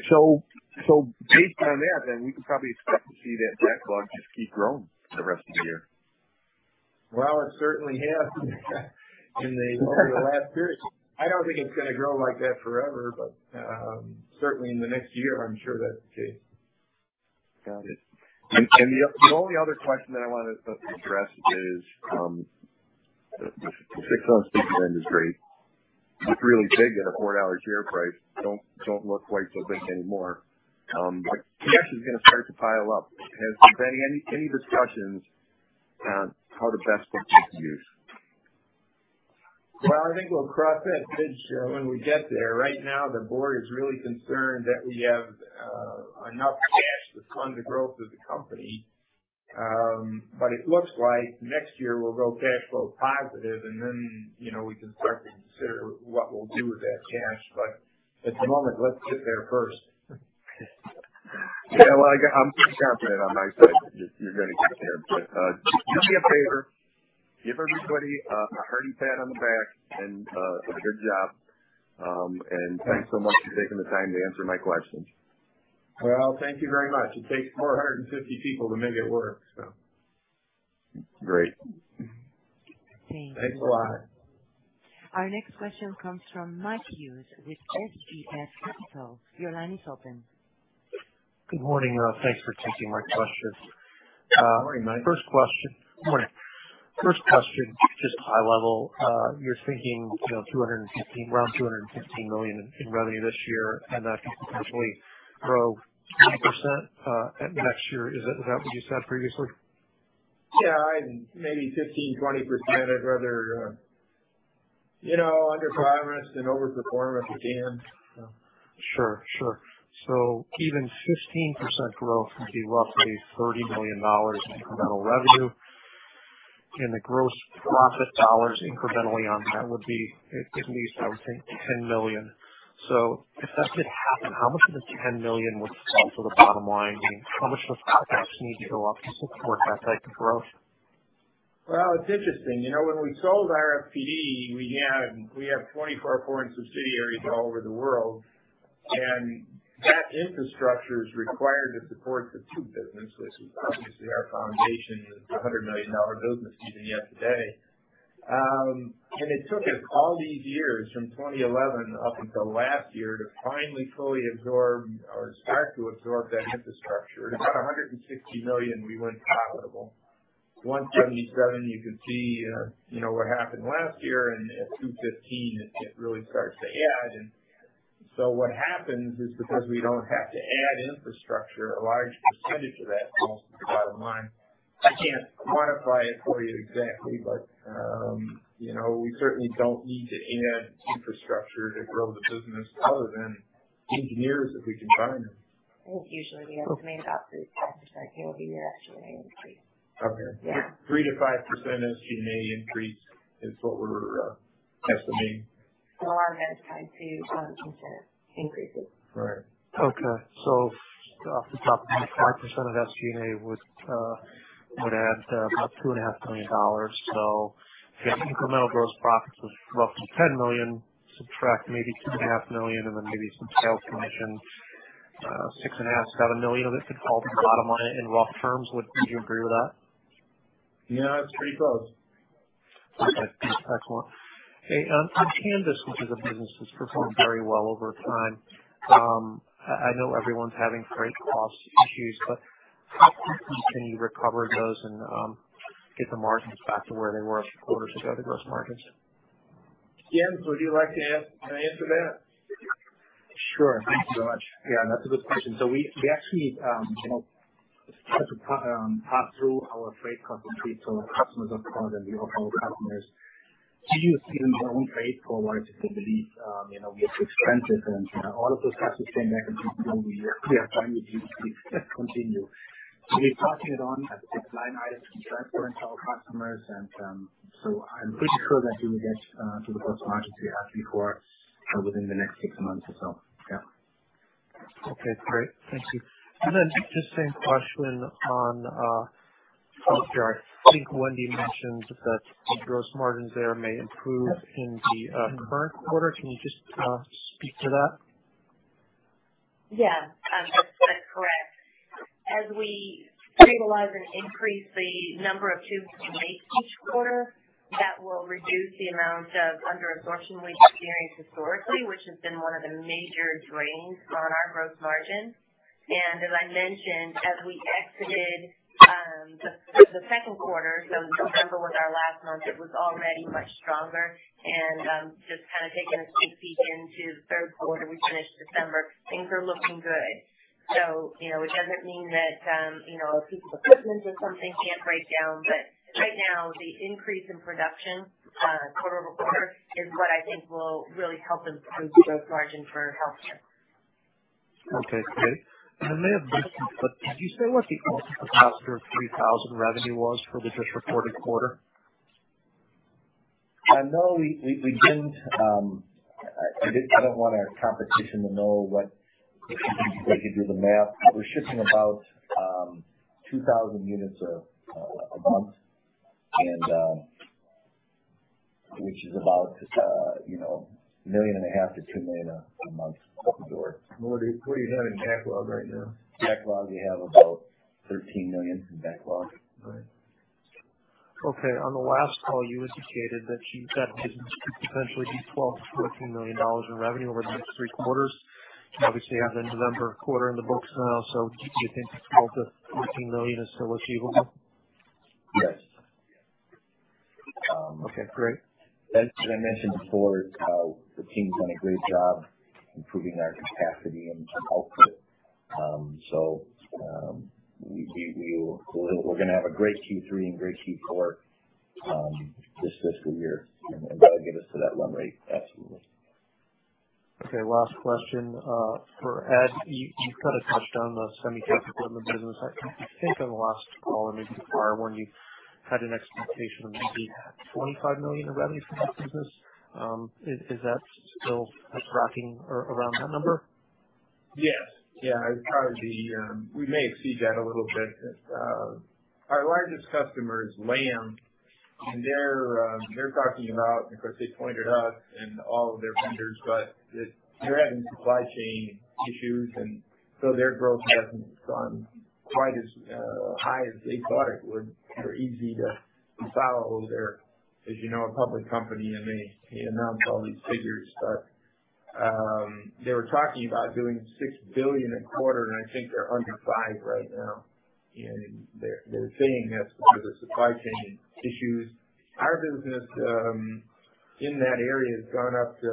Based on that, then we can probably expect to see that backlog just keep growing for the rest of the year. Well, it certainly has in the over the last period. I don't think it's going to grow like that forever, but certainly in the next year, I'm sure that's the case. Got it. The only other question that I wanted us to address is, six months interest rate is really big at a $4 share price. Don't look quite so big anymore. Cash is going to start to pile up. Has there been any discussions on how to best put that to use? Well, I think we'll cross that bridge when we get there. Right now, the board is really concerned that we have enough cash to fund the growth of the company. It looks like next year we'll go cash flow positive, and then, you know, we can start to consider what we'll do with that cash. At the moment, let's get there first. Yeah, well, I'm confident on my side that you're going to get there, but do me a favor, give everybody a hearty pat on the back and a good job. Thanks so much for taking the time to answer my questions. Well, thank you very much. It takes 450 people to make it work, so. Great. Thanks a lot. Our next question comes from Mike Hughes with SGF Capital. Your line is open. Good morning. Thanks for taking my questions. First question. Morning. Just high level. You're thinking, you know, 215, around $215 million in revenue this year, and that could potentially grow 10% next year. Is that what you said previously? Yeah, maybe 15%-20%. I'd rather, you know, under promise and overperform at the end. Sure, sure. Even 15% growth would be roughly $30 million incremental revenue, and the gross profit dollars incrementally on that would be at least I would think $10 million. If that did happen, how much of the $10 million would fall to the bottom line? I mean, how much does CapEx need to go up to support that type of growth? Well, it's interesting. You know, when we sold RFPD, we have 24 foreign subsidiaries all over the world, and that infrastructure is required to support the tube business, which is obviously our foundation. It's a $100 million business even yesterday. It took us all these years from 2011 up until last year to finally fully absorb or start to absorb that infrastructure. At about $160 million, we went profitable. $177 million, you can see, you know, what happened last year. At $215 million it really starts to add. What happens is, because we don't have to add infrastructure, a large percentage of that goes to the bottom line. I can't quantify it for you exactly, but, you know, we certainly don't need to add infrastructure to grow the business other than engineers if we can find them. Usually the estimated OpEx will be your SG&A increase. Okay. Yeah. 3%-5% SG&A increase is what we're estimating. A lot of that is tied to wage increases. Right. Okay. Off the top, 5% of SG&A would add about $2.5 million. If the incremental gross profit was roughly $10 million, subtract maybe $2.5 million and then maybe some sales commissions, $6.5-$7 million of it could fall to the bottom line in rough terms. Do you agree with that? Yeah, that's pretty close. Okay. Excellent. Hey, on Canvys, which is a business that's performed very well over time. I know everyone's having freight cost issues, but how quickly can you recover those and get the margins back to where they were a few quarters ago, the gross margins? Jens, would you like to answer that? Sure. Thank you very much. Yeah, that's a good question. We actually had to pass through our freight cost increase to our customers. Of course, many of our customers do use even their own freight forwarders. They believe we are too expensive. All of a sudden they came back and what we are trying to do is continue. We're passing it on as a line item transparent to our customers. I'm pretty sure that we will get to the gross margin we had before within the next six months or so. Yeah. Okay, great. Thank you. Just the same question on Healthcare. I think Wendy mentioned that the gross margins there may improve in the current quarter. Can you just speak to that? Yeah. That's correct. As we stabilize and increase the number of tubes we make each quarter, that will reduce the amount of under absorption we've experienced historically, which has been one of the major drains on our gross margin. As I mentioned, as we exited the second quarter, so December was our last month, it was already much stronger. Just kind of taking a sneak peek into the third quarter, we finished December, things are looking good. You know, which doesn't mean that you know, a piece of equipment or something can't break down. Right now the increase in production quarter-over-quarter is what I think will really help improve gross margin for Healthcare. Okay, great. I may have missed this, but did you say what the ULTRA3000 revenue was for the just reported quarter? No, we didn't. I don't want our competition to know what they could do the math. It was shipping about 2000 units a month, which is about, you know, $1.5 million-$2 million a month out the door. What do you have in backlog right now? Backlog, we have about $13 million in backlog. Right. Okay. On the last call, you indicated that you said business could potentially be $12 million-$14 million in revenue over the next three quarters. Obviously you have the November quarter in the books now. Do you think the $12 million-$14 million is still achievable? Yes. Okay, great. As I mentioned before, the team's done a great job improving our capacity and output. We're gonna have a great Q3 and great Q4 this fiscal year, and that'll get us to that run rate. Absolutely. Okay. Last question for Ed. You kind of touched on the semiconductor equipment business. I think on the last call, or maybe the one before, you had an expectation of maybe $25 million in revenue from that business. Is that still tracking around that number? Yes. Yeah, it's probably we may exceed that a little bit. Our largest customer is Lam, and they're talking about, of course, they pointed out to us and all of their vendors, but they're having supply chain issues, and so their growth hasn't gone quite as high as they thought it would. As you know, a public company, and they announce all these figures. They were talking about doing $6 billion a quarter, and I think they're under $5 billion right now. They're saying that's because of supply chain issues. Our business in that area has gone up to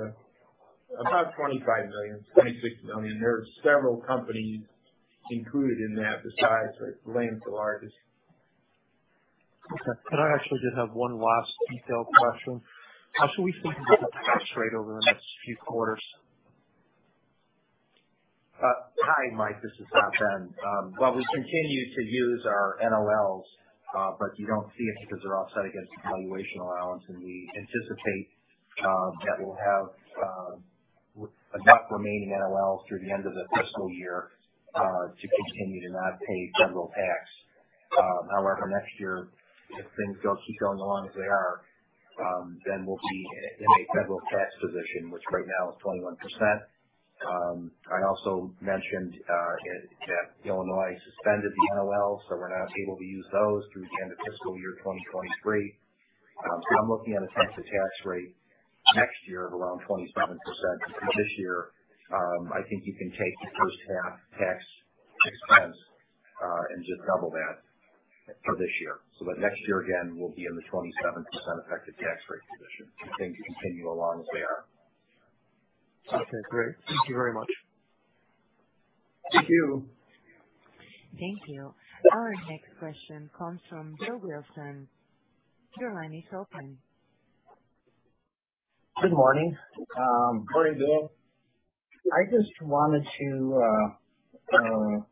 about $25 million, $26 million. There are several companies included in that besides, but Lam's the largest. Okay. I actually just have one last detailed question. How should we think about the tax rate over the next few quarters? Hi, Mike, this is Rob Ben. Well, we continue to use our NOLs, but you don't see it because they're offset against the valuation allowance, and we anticipate that we'll have enough remaining NOL through the end of the fiscal year to continue to not pay federal tax. However, next year, if things go, keep going along as they are, then we'll be in a federal tax position, which right now is 21%. I also mentioned that Illinois suspended the NOLs, so we're not able to use those through the end of fiscal year 2023. So I'm looking at effective tax rate next year of around 27%. This year, I think you can take the first half tax expense and just double that for this year. Next year, again, we'll be in the 27% effective tax rate position if things continue along as they are. Okay, great. Thank you very much. Thank you. Thank you. Our next question comes from Bill Wilson. Your line is open. Good morning. Morning, Bill. I just wanted to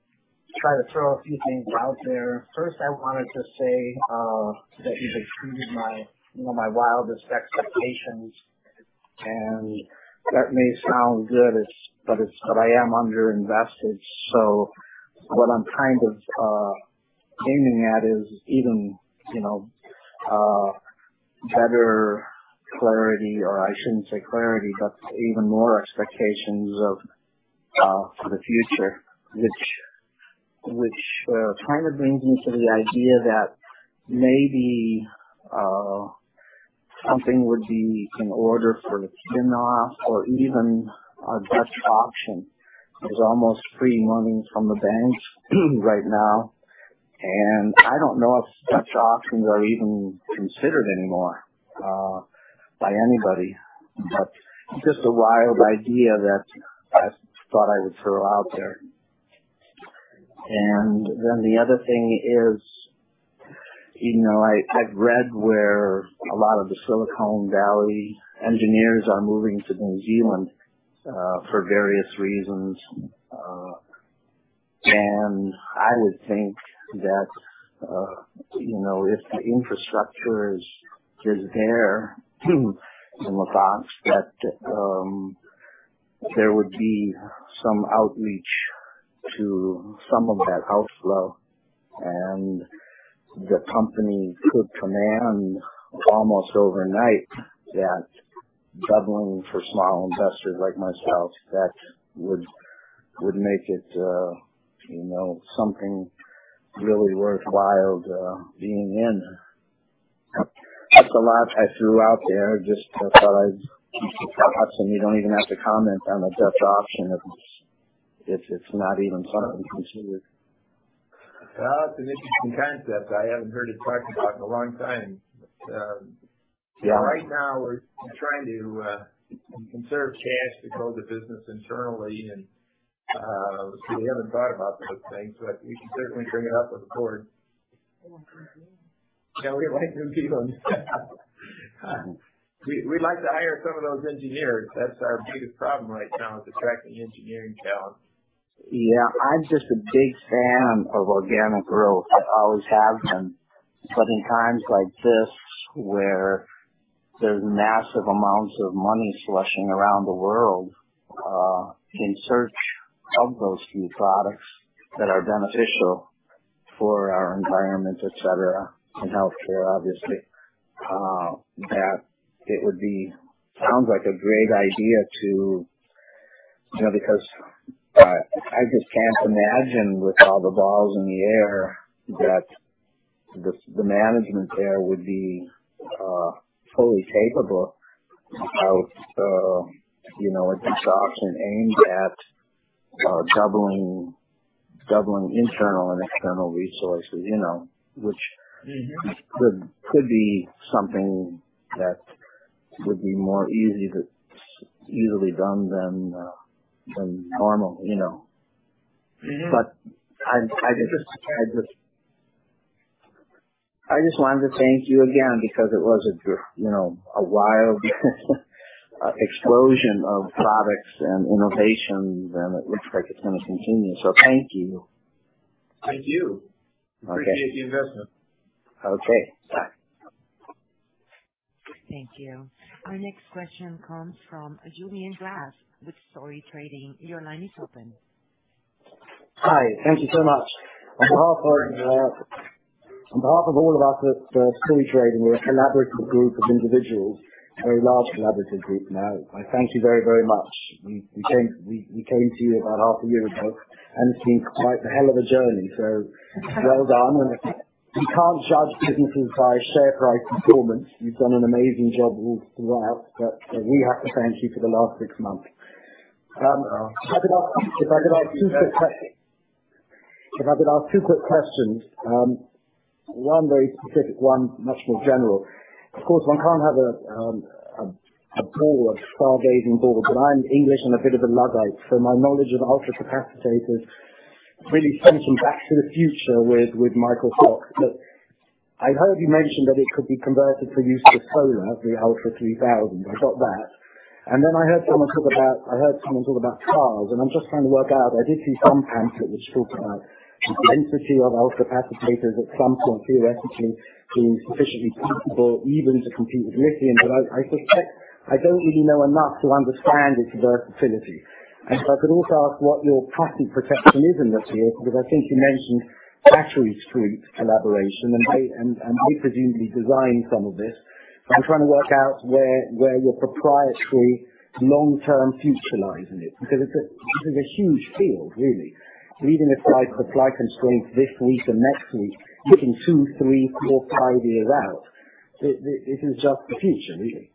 try to throw a few things out there. First, I wanted to say that you've exceeded my, you know, my wildest expectations. That may sound good, but I am underinvested. What I'm kind of aiming at is even, you know, better clarity or I shouldn't say clarity, but even more expectations for the future. That kind of brings me to the idea that maybe something would be in order for a spin-off or even a Dutch auction. There's almost free money from the banks right now, and I don't know if Dutch auctions are even considered anymore by anybody. Just a wild idea that I thought I would throw out there. Then the other thing is, you know, I've read where a lot of the Silicon Valley engineers are moving to New Zealand for various reasons. I would think that, you know, if the infrastructure is there in LaFox, that there would be some outreach to some of that outflow, and the company could command almost overnight that doubling for small investors like myself, that would make it, you know, something really worthwhile being in. That's a lot I threw out there. Just thought I'd keep it up, and you don't even have to comment on the Dutch auction if it's not even something considered. Well, it's an interesting concept I haven't heard it talked about in a long time. Right now we're trying to conserve cash to grow the business internally and so we haven't thought about those things, but you can certainly bring it up with the board. They want green cards. Yeah, we'd like them to be on staff. We'd like to hire some of those engineers. That's our biggest problem right now is attracting engineering talent. Yeah. I'm just a big fan of organic growth. I always have been. In times like this where there's massive amounts of money sloshing around the world, in search of those few products that are beneficial for our environment, et cetera, and healthcare, obviously. That it would be sounds like a great idea to, you know, because, I just can't imagine with all the balls in the air that the management there would be fully capable of, you know, a stock and aimed at doubling internal and external resources, you know, which- Mm-hmm. could be something that would be more easily done than normal, you know? Mm-hmm. I just wanted to thank you again because it was you know, a wild explosion of products and innovations, and it looks like it's gonna continue. Thank you. Thank you. Okay. Appreciate the investment. Okay, bye. Thank you. Our next question comes from Julian Glass with Story Trading. Your line is open. Hi. Thank you so much. On behalf of all of us at Story Trading, we're a collaborative group of individuals, a very large collaborative group now. I thank you very, very much. We came to you about half a year ago, and it's been quite a hell of a journey. Well done. You can't judge businesses by share price performance. You've done an amazing job all throughout, but we have to thank you for the last six months. If I could ask two quick questions, one very specific, one much more general. Of course, one can't have a ball, a stargazing ball, but I'm English and a bit of a Luddite, so my knowledge of ultracapacitors really sent me back to the future with Michael Fox. Look, I heard you mention that it could be converted for use with solar, the ULTRA3000. I got that. Then I heard someone talk about cars, and I'm just trying to work out. I did see some pamphlet which talked about the density of ultracapacitors at some point theoretically being sufficiently possible even to compete with lithium. I suspect I don't really know enough to understand its versatility. If I could also ask what your IP protection looks like here, because I think you mentioned Battery Street's collaboration, and you presumably designed some of this. I'm trying to work out where your proprietary long-term future lies in it, because this is a huge field really. Even if I could defy constraint this week or next week, looking two, three, four, five years out, this is just the future, really.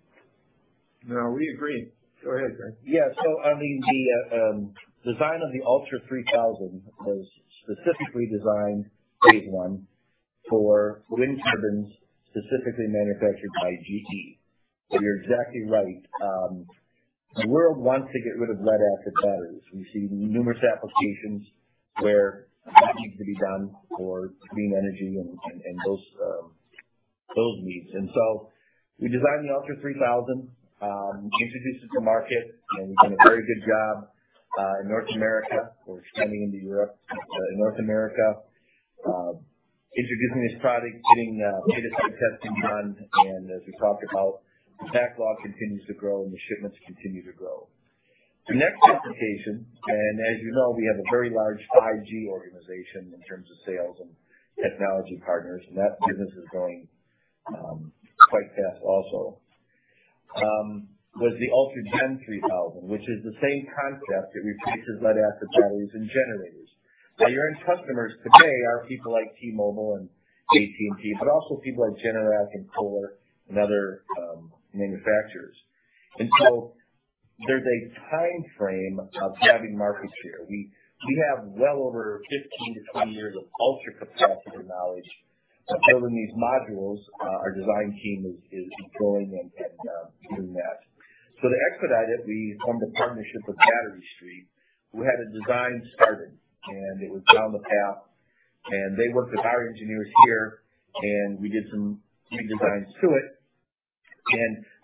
No, we agree. Go ahead, Greg. Yeah. I mean, the design of the ULTRA3000 was specifically designed, phase one, for wind turbines, specifically manufactured by GE. You're exactly right. The world wants to get rid of lead-acid batteries. We see numerous applications where that needs to be done for clean energy and those needs. We designed the ULTRA3000, introduced it to market, and we've done a very good job in North America. We're expanding into Europe. In North America, introducing this product, getting beta site testing done. As we talked about, the backlog continues to grow and the shipments continue to grow. The next application, as you know, we have a very large 5G organization in terms of sales and technology partners, and that business is growing quite fast also. With the ULTRAGEN3000, which is the same concept, it replaces lead-acid batteries and generators. Now, your end customers today are people like T-Mobile and AT&T, but also people like Generac and Kohler and other manufacturers. There's a timeframe of grabbing market share. We have well over 15-20 years of ultracapacitor knowledge of building these modules. Our design team is deploying and doing that. To expedite it, we formed a partnership with Battery Street Energy, who had a design started, and it was down the path, and they worked with our engineers here, and we did some key designs to it.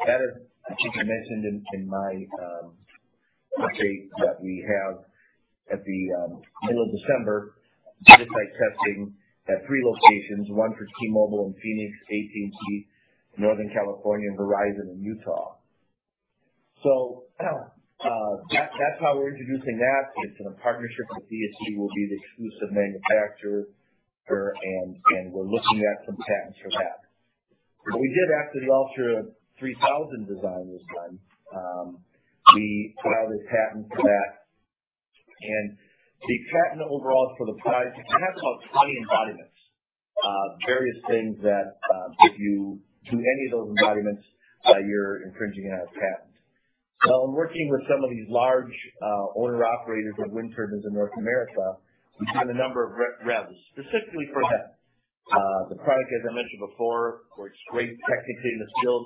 That is, I think I mentioned in my update that we have at the middle of December, beta site testing at 3 locations, one for T-Mobile in Phoenix, AT&T, Northern California, and Verizon in Utah. That is how we're introducing that. It is in a partnership with ESG, we will be the exclusive manufacturer, and we are looking at some patents for that. What we did after the ULTRA3000 design was done, we put out a patent for that. The patent overall is for the product. We have about 20 embodiments, various things that if you do any of those embodiments, you are infringing on a patent. In working with some of these large owner-operators of wind turbines in North America, we have done a number of revs, specifically for them. The product, as I mentioned before, works great technically in the field,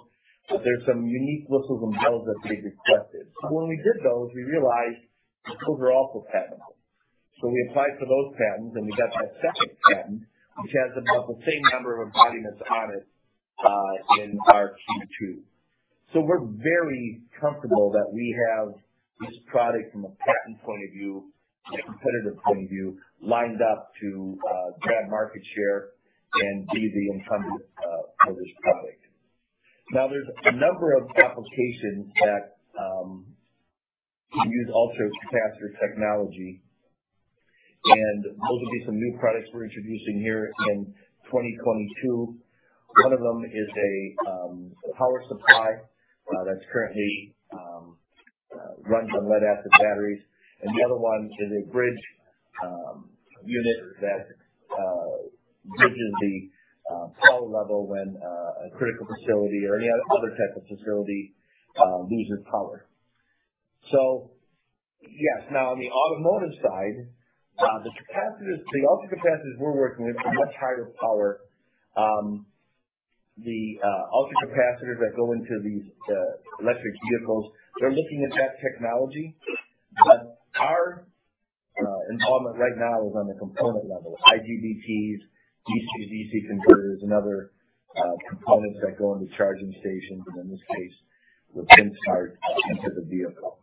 but there's some unique bells and whistles that they've requested. When we did those, we realized those are also patentable. We applied for those patents, and we got that second patent, which has about the same number of embodiments on it in our Q2. We're very comfortable that we have this product from a patent point of view and a competitive point of view lined up to grab market share and be the incumbent for this product. Now, there's a number of applications that use ultracapacitor technology, and those will be some new products we're introducing here in 2022. One of them is a power supply that's currently runs on lead acid batteries. The other one is a bridge unit that bridges the power level when a critical facility or any other type of facility loses power. Yes. Now, on the automotive side, the capacitors, the ultracapacitors we're working with are much higher power. The ultracapacitors that go into these electric vehicles, they're looking at that technology. Our involvement right now is on the component level. IGBTs, DC to DC converters, and other components that go into charging stations, and in this case, the pin start into the vehicle.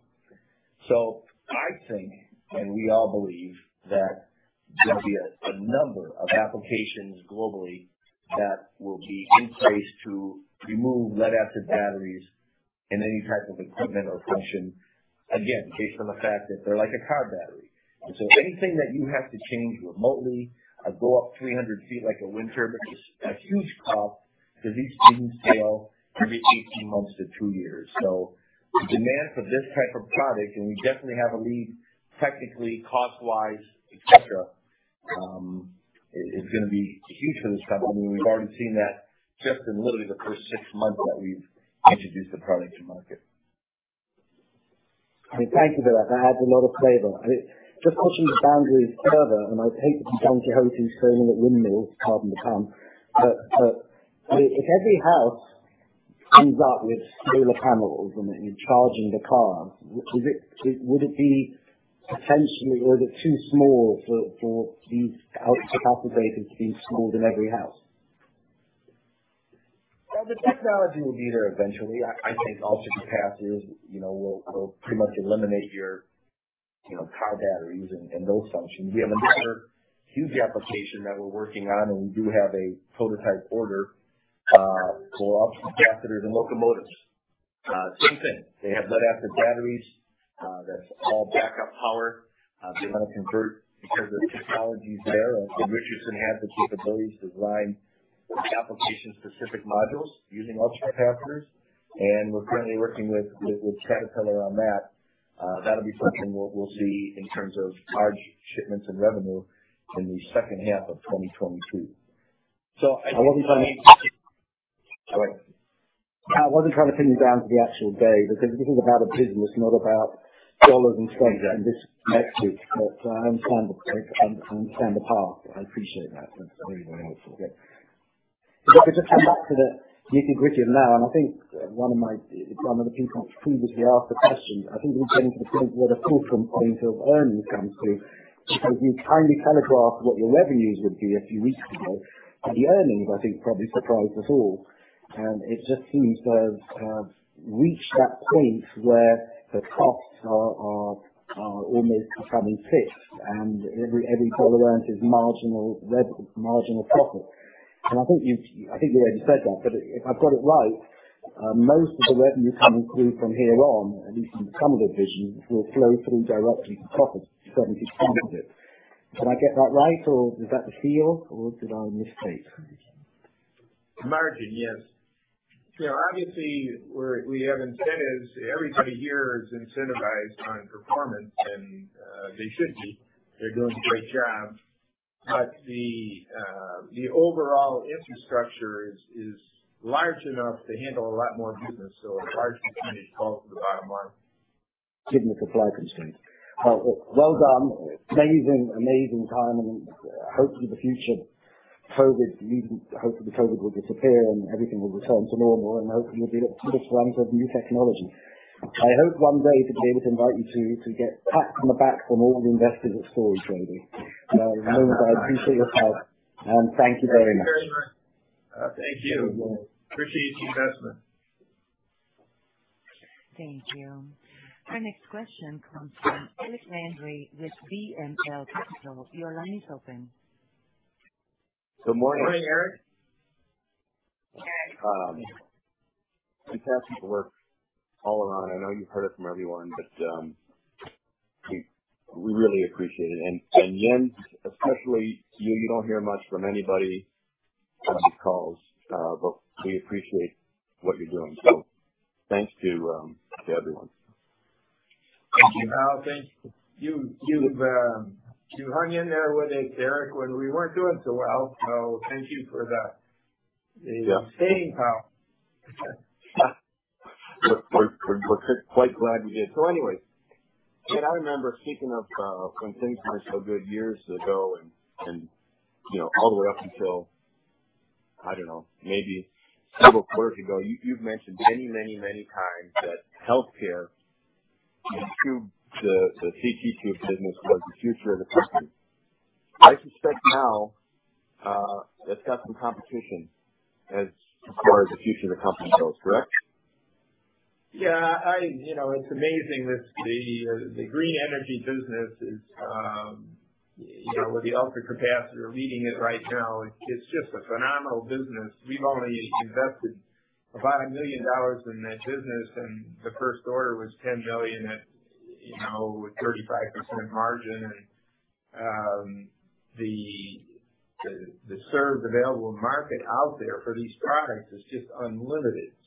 I think, and we all believe, that there'll be a number of applications globally that will be in place to remove lead-acid batteries in any type of equipment or function, again, based on the fact that they're like a car battery. Anything that you have to change remotely or go up 300 feet like a wind turbine is a huge cost because these things fail every 18 months to twp years. The demand for this type of product, and we definitely have a lead technically, cost-wise, et cetera, is gonna be huge for this company. We've already seen that just in literally the first six months that we've introduced the product to market. I mean, thank you for that. That adds a lot of flavor. It's just pushing the boundaries further, and I hate to be Don Quixote and storming at windmills, pardon the pun, but if every house ends up with solar panels and charging the car, would it be potentially or is it too small for these capacitors being installed in every house? Well, the technology will be there eventually. I think ultracapacitors, you know, will pretty much eliminate your, you know, car batteries and those functions. We have another huge application that we're working on, and we do have a prototype order for ultracapacitors in locomotives. Same thing. They have lead-acid batteries, that's all backup power. They wanna convert because of technologies there. Richardson has the capabilities to design application-specific modules using ultracapacitors, and we're currently working with Caterpillar on that. That'll be something we'll see in terms of large shipments and revenue in the second half of 2022. I wasn't trying to. Sorry. I wasn't trying to pin you down to the actual day because this is about a business, not about dollars and cents and this next week, but I understand the path. I appreciate that. Thanks for hearing me. If I could just come back to the nitty-gritty of now, and I think one of the people who previously asked the question, I think we've gotten to the point where the fulcrum point of earnings comes through. If you kindly telegraph what your revenues would be a few weeks ago, and the earnings, I think, probably surprised us all. It just seems to have reached that point where the costs are almost suddenly fixed, and every dollar earned is marginal profit. I think you already said that, but if I've got it right, most of the revenue coming through from here on, at least in some of the divisions, will flow through directly to profits, 70% of it. Did I get that right, or is that the feel, or did I mistake? Margin, yes. You know, obviously we're, we have incentives. Everybody here is incentivized on performance, and they should be. They're doing a great job. The overall infrastructure is large enough to handle a lot more business. A large percentage falls to the bottom line. Given the supply constraints. Well done. Amazing time. Hopefully the future, COVID needn't. Hopefully COVID will disappear, and everything will return to normal. Hopefully you'll be the fulcrum of new technology. I hope one day to be able to invite you to get pats on the back from all the investors at Story Trading. I know that I appreciate your time, and thank you very much. Thank you very much. Thank you. You as well. Appreciate the investment. Thank you. Our next question comes from Eric Landry with BML Capital. Your line is open. Good morning. Good morning, Eric. Fantastic work all around. I know you've heard it from everyone, but we really appreciate it. Jens, especially you. You don't hear much from anybody on these calls, but we appreciate what you're doing. Thanks to everyone. Thank you. Al, thank you. You've hung in there with us, Eric, when we weren't doing so well. Thank you for the- Yeah. The staying power. We're quite glad we did. Anyways, Jens, I remember speaking of when things weren't so good years ago and you know, all the way up until, I don't know, maybe several quarters ago. You've mentioned many times that healthcare. The tube, the CT tube business was the future of the company. I suspect now, that's got some competition as far as the future of the company goes, correct? Yeah. I, you know, it's amazing with the green energy business is, you know, with the ultracapacitor leading it right now. It's just a phenomenal business. We've only invested about $1 million in that business, and the first order was $10 million at, you know, a 35% margin. The serviceable addressable market out there for these products is just unlimited.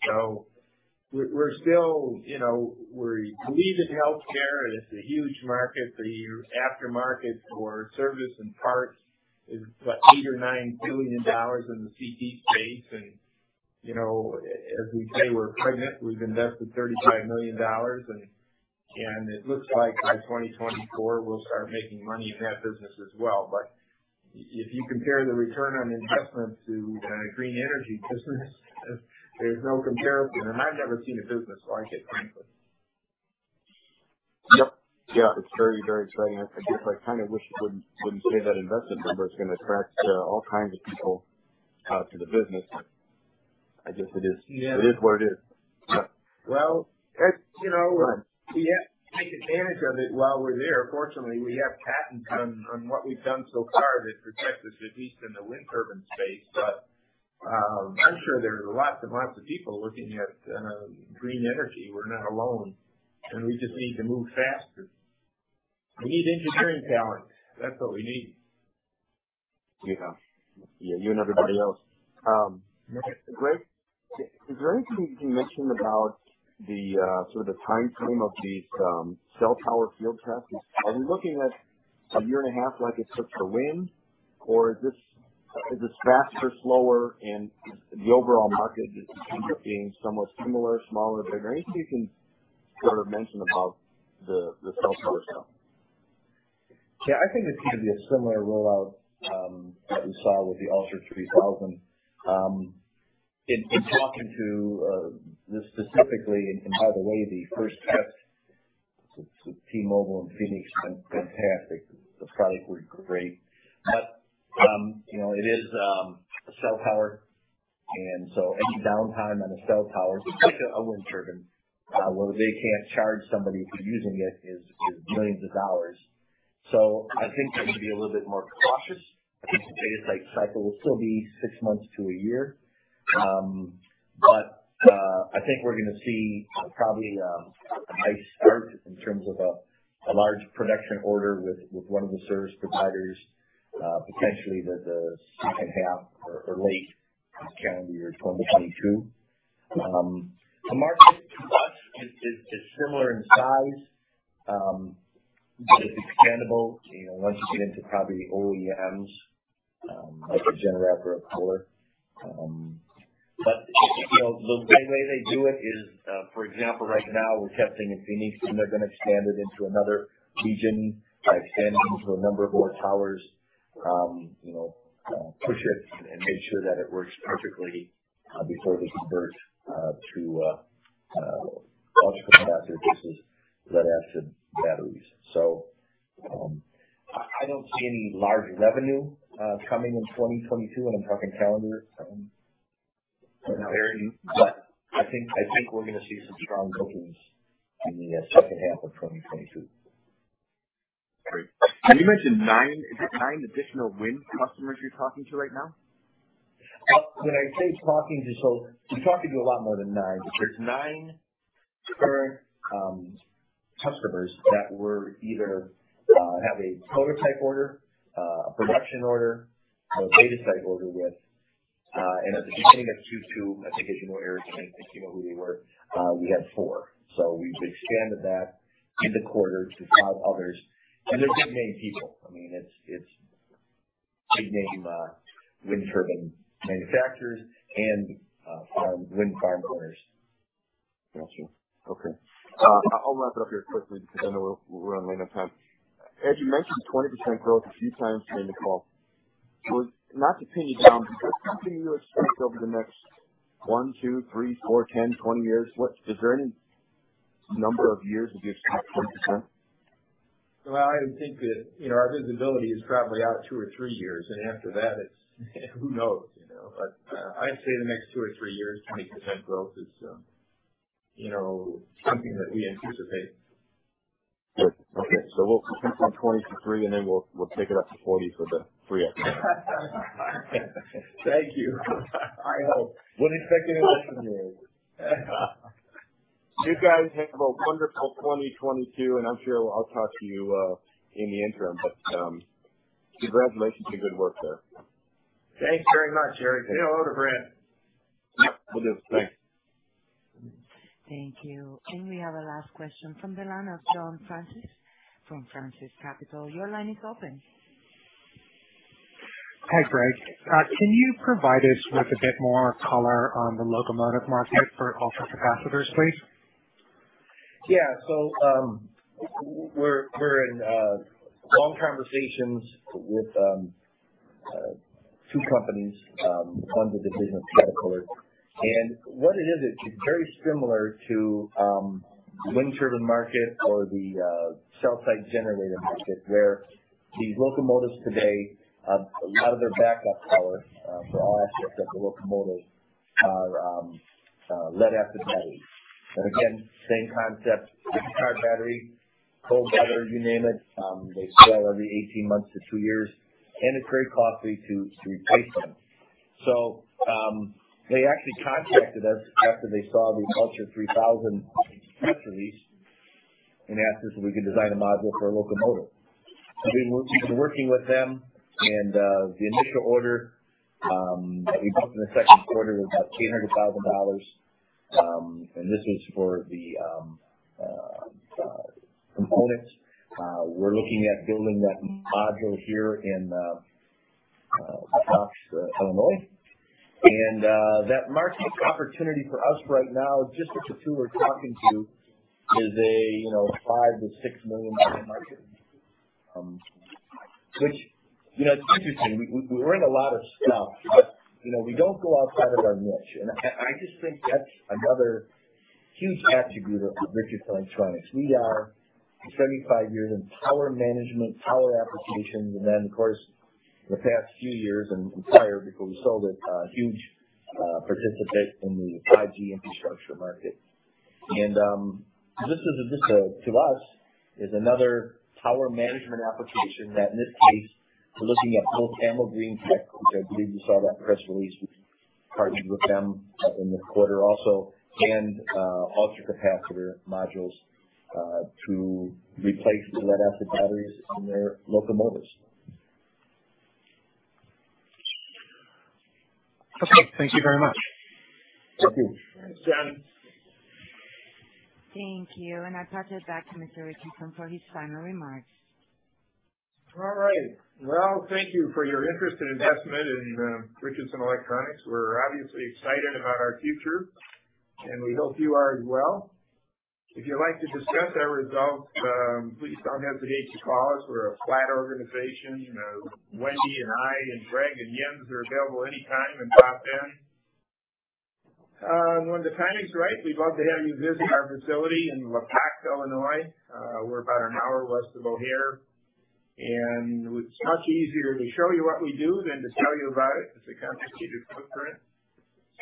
We're still, you know, we believe in healthcare, and it's a huge market. The aftermarket for service and parts is what, $8 billion or $9 billion in the CT space. You know, as we say, we're pregnant. We've invested $35 million, and it looks like by 2024 we'll start making money in that business as well. If you compare the return on investment to the green energy business, there's no comparison. I've never seen a business like it, frankly. Yep. Yeah, it's very, very exciting. I guess I kind of wish you wouldn't say that investment number. It's gonna attract all kinds of people to the business. I guess it is. Yeah. It is what it is. Yeah. Well, it's, you know, we have to take advantage of it while we're there. Fortunately, we have patents on what we've done so far that protect us, at least in the wind turbine space. I'm sure there's lots and lots of people looking at green energy. We're not alone, and we just need to move faster. We need engineering talent. That's what we need. Yeah. Yeah, you and everybody else. Greg, is there anything you can mention about the sort of the timeframe of these cell tower field tests? Are we looking at a year and a half like it took for wind, or is this faster, slower? The overall market just end up being somewhat similar, smaller or bigger? Anything you can sort of mention about the cell tower stuff. Yeah, I think it's gonna be a similar rollout that we saw with the Ultra 3000. In talking to specifically and by the way, the first test with T-Mobile in Phoenix went fantastic. The product worked great. You know, it is a cell tower, and so any downtime on a cell tower, just like a wind turbine, where they can't charge somebody for using it is $ millions. I think they're gonna be a little bit more cautious. I think the beta cycle will still be six months to a year. I think we're gonna see probably a nice start in terms of a large production order with one of the service providers, potentially the second half or late calendar year 2022. The market to us is similar in size, but it's expandable, you know, once you get into probably OEMs, like a Generac or a Kohler. You know, the way they do it is, for example, right now we're testing in Phoenix, and they're gonna expand it into another region by expanding to a number of more towers. You know, push it and make sure that it works perfectly, before they convert to ultracapacitor versus lead-acid batteries. I don't see any large revenue coming in 2022, and I'm talking calendar, you know, Eric, but I think we're gonna see some strong bookings in the second half of 2022. Great. You mentioned nine. Is it nine additional wind customers you're talking to right now? When I say talking to, we're talking to a lot more than nine. There's nine current customers that we either have a prototype order, a production order, a beta site order with. At the beginning of 2022, I think I can go here because I think you know who they were. We had four4, so we've expanded that in the quarter to five others. They're big-name people. I mean, it's big-name wind turbine manufacturers and wind farm owners. Got you. Okay. I'll wrap it up here quickly because I know we're running out of time. Ed, you mentioned 20% growth a few times during the call. Not to pin you down, but is that something you expect over the next 1, 2, 3, 4, 10, 20 years? Is there any number of years where you expect 20%? Well, I think that, you know, our visibility is probably out two or three years, and after that, it's, who knows, you know? I'd say the next two or three years, 20% growth is, you know, something that we anticipate. Good. Okay. We'll keep you on 20 to 3, and then we'll take it up to 40 for the 3 after that. Thank you. I hope. We'll expect an announcement. You guys have a wonderful 2022, and I'm sure I'll talk to you in the interim. Congratulations on your good work there. Thanks very much, Eric. Hello to Brad. Yep. Will do. Thanks. Thank you. We have a last question from the line of John Francis from Francis Capital. Your line is open. Hi, Greg. Can you provide us with a bit more color on the locomotive market for ultracapacitors, please? Yeah. We're in long conversations with two companies under the business category. What it is, it's very similar to wind turbine market or the cell site generator market where these locomotives today a lot of their backup power for all aspects of the locomotive are lead acid batteries. Again, same concept, car battery, boat battery, you name it. They sell every 18 months to 2 years, and it's very costly to replace them. They actually contacted us after they saw the ULTRA3000 press release and asked us if we could design a module for a locomotive. We've been working with them and the initial order that we booked in the second quarter was about $300,000. This is for the components. We're looking at building that module here in LaFox, Illinois. That market opportunity for us right now, just with the two we're talking to, is a $5 million-$6 million market. You know, it's interesting. We're in a lot of stuff, but you know, we don't go outside of our niche. I just think that's another huge attribute of Richardson Electronics. We are 75 years in power management, power applications, and then of course, in the past few years and prior, because we saw this huge participant in the 5G infrastructure market. This is another power management application that in this case we're looking at both Amel Green Tech, which I believe you saw that press release. We partnered with them in the quarter also, and ultracapacitor modules to replace the lead-acid batteries on their locomotives. Okay. Thank you very much. Thank you. Thanks, Ed. Thank you. I'll pass it back to Mr. Richardson for his final remarks. All right. Well, thank you for your interest and investment in Richardson Electronics. We're obviously excited about our future, and we hope you are as well. If you'd like to discuss our results, please don't hesitate to call us. We're a flat organization. You know, Wendy and I and Greg and Jens are available anytime, and hop in. When the timing's right, we'd love to have you visit our facility in LaFox, Illinois. We're about an hour west of O'Hare, and it's much easier to show you what we do than to tell you about it. It's a complicated footprint,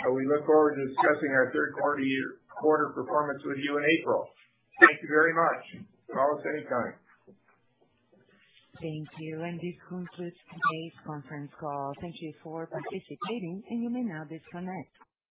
so we look forward to discussing our third quarter performance with you in April. Thank you very much. Call us anytime. Thank you. This concludes today's conference call. Thank you for participating, and you may now disconnect.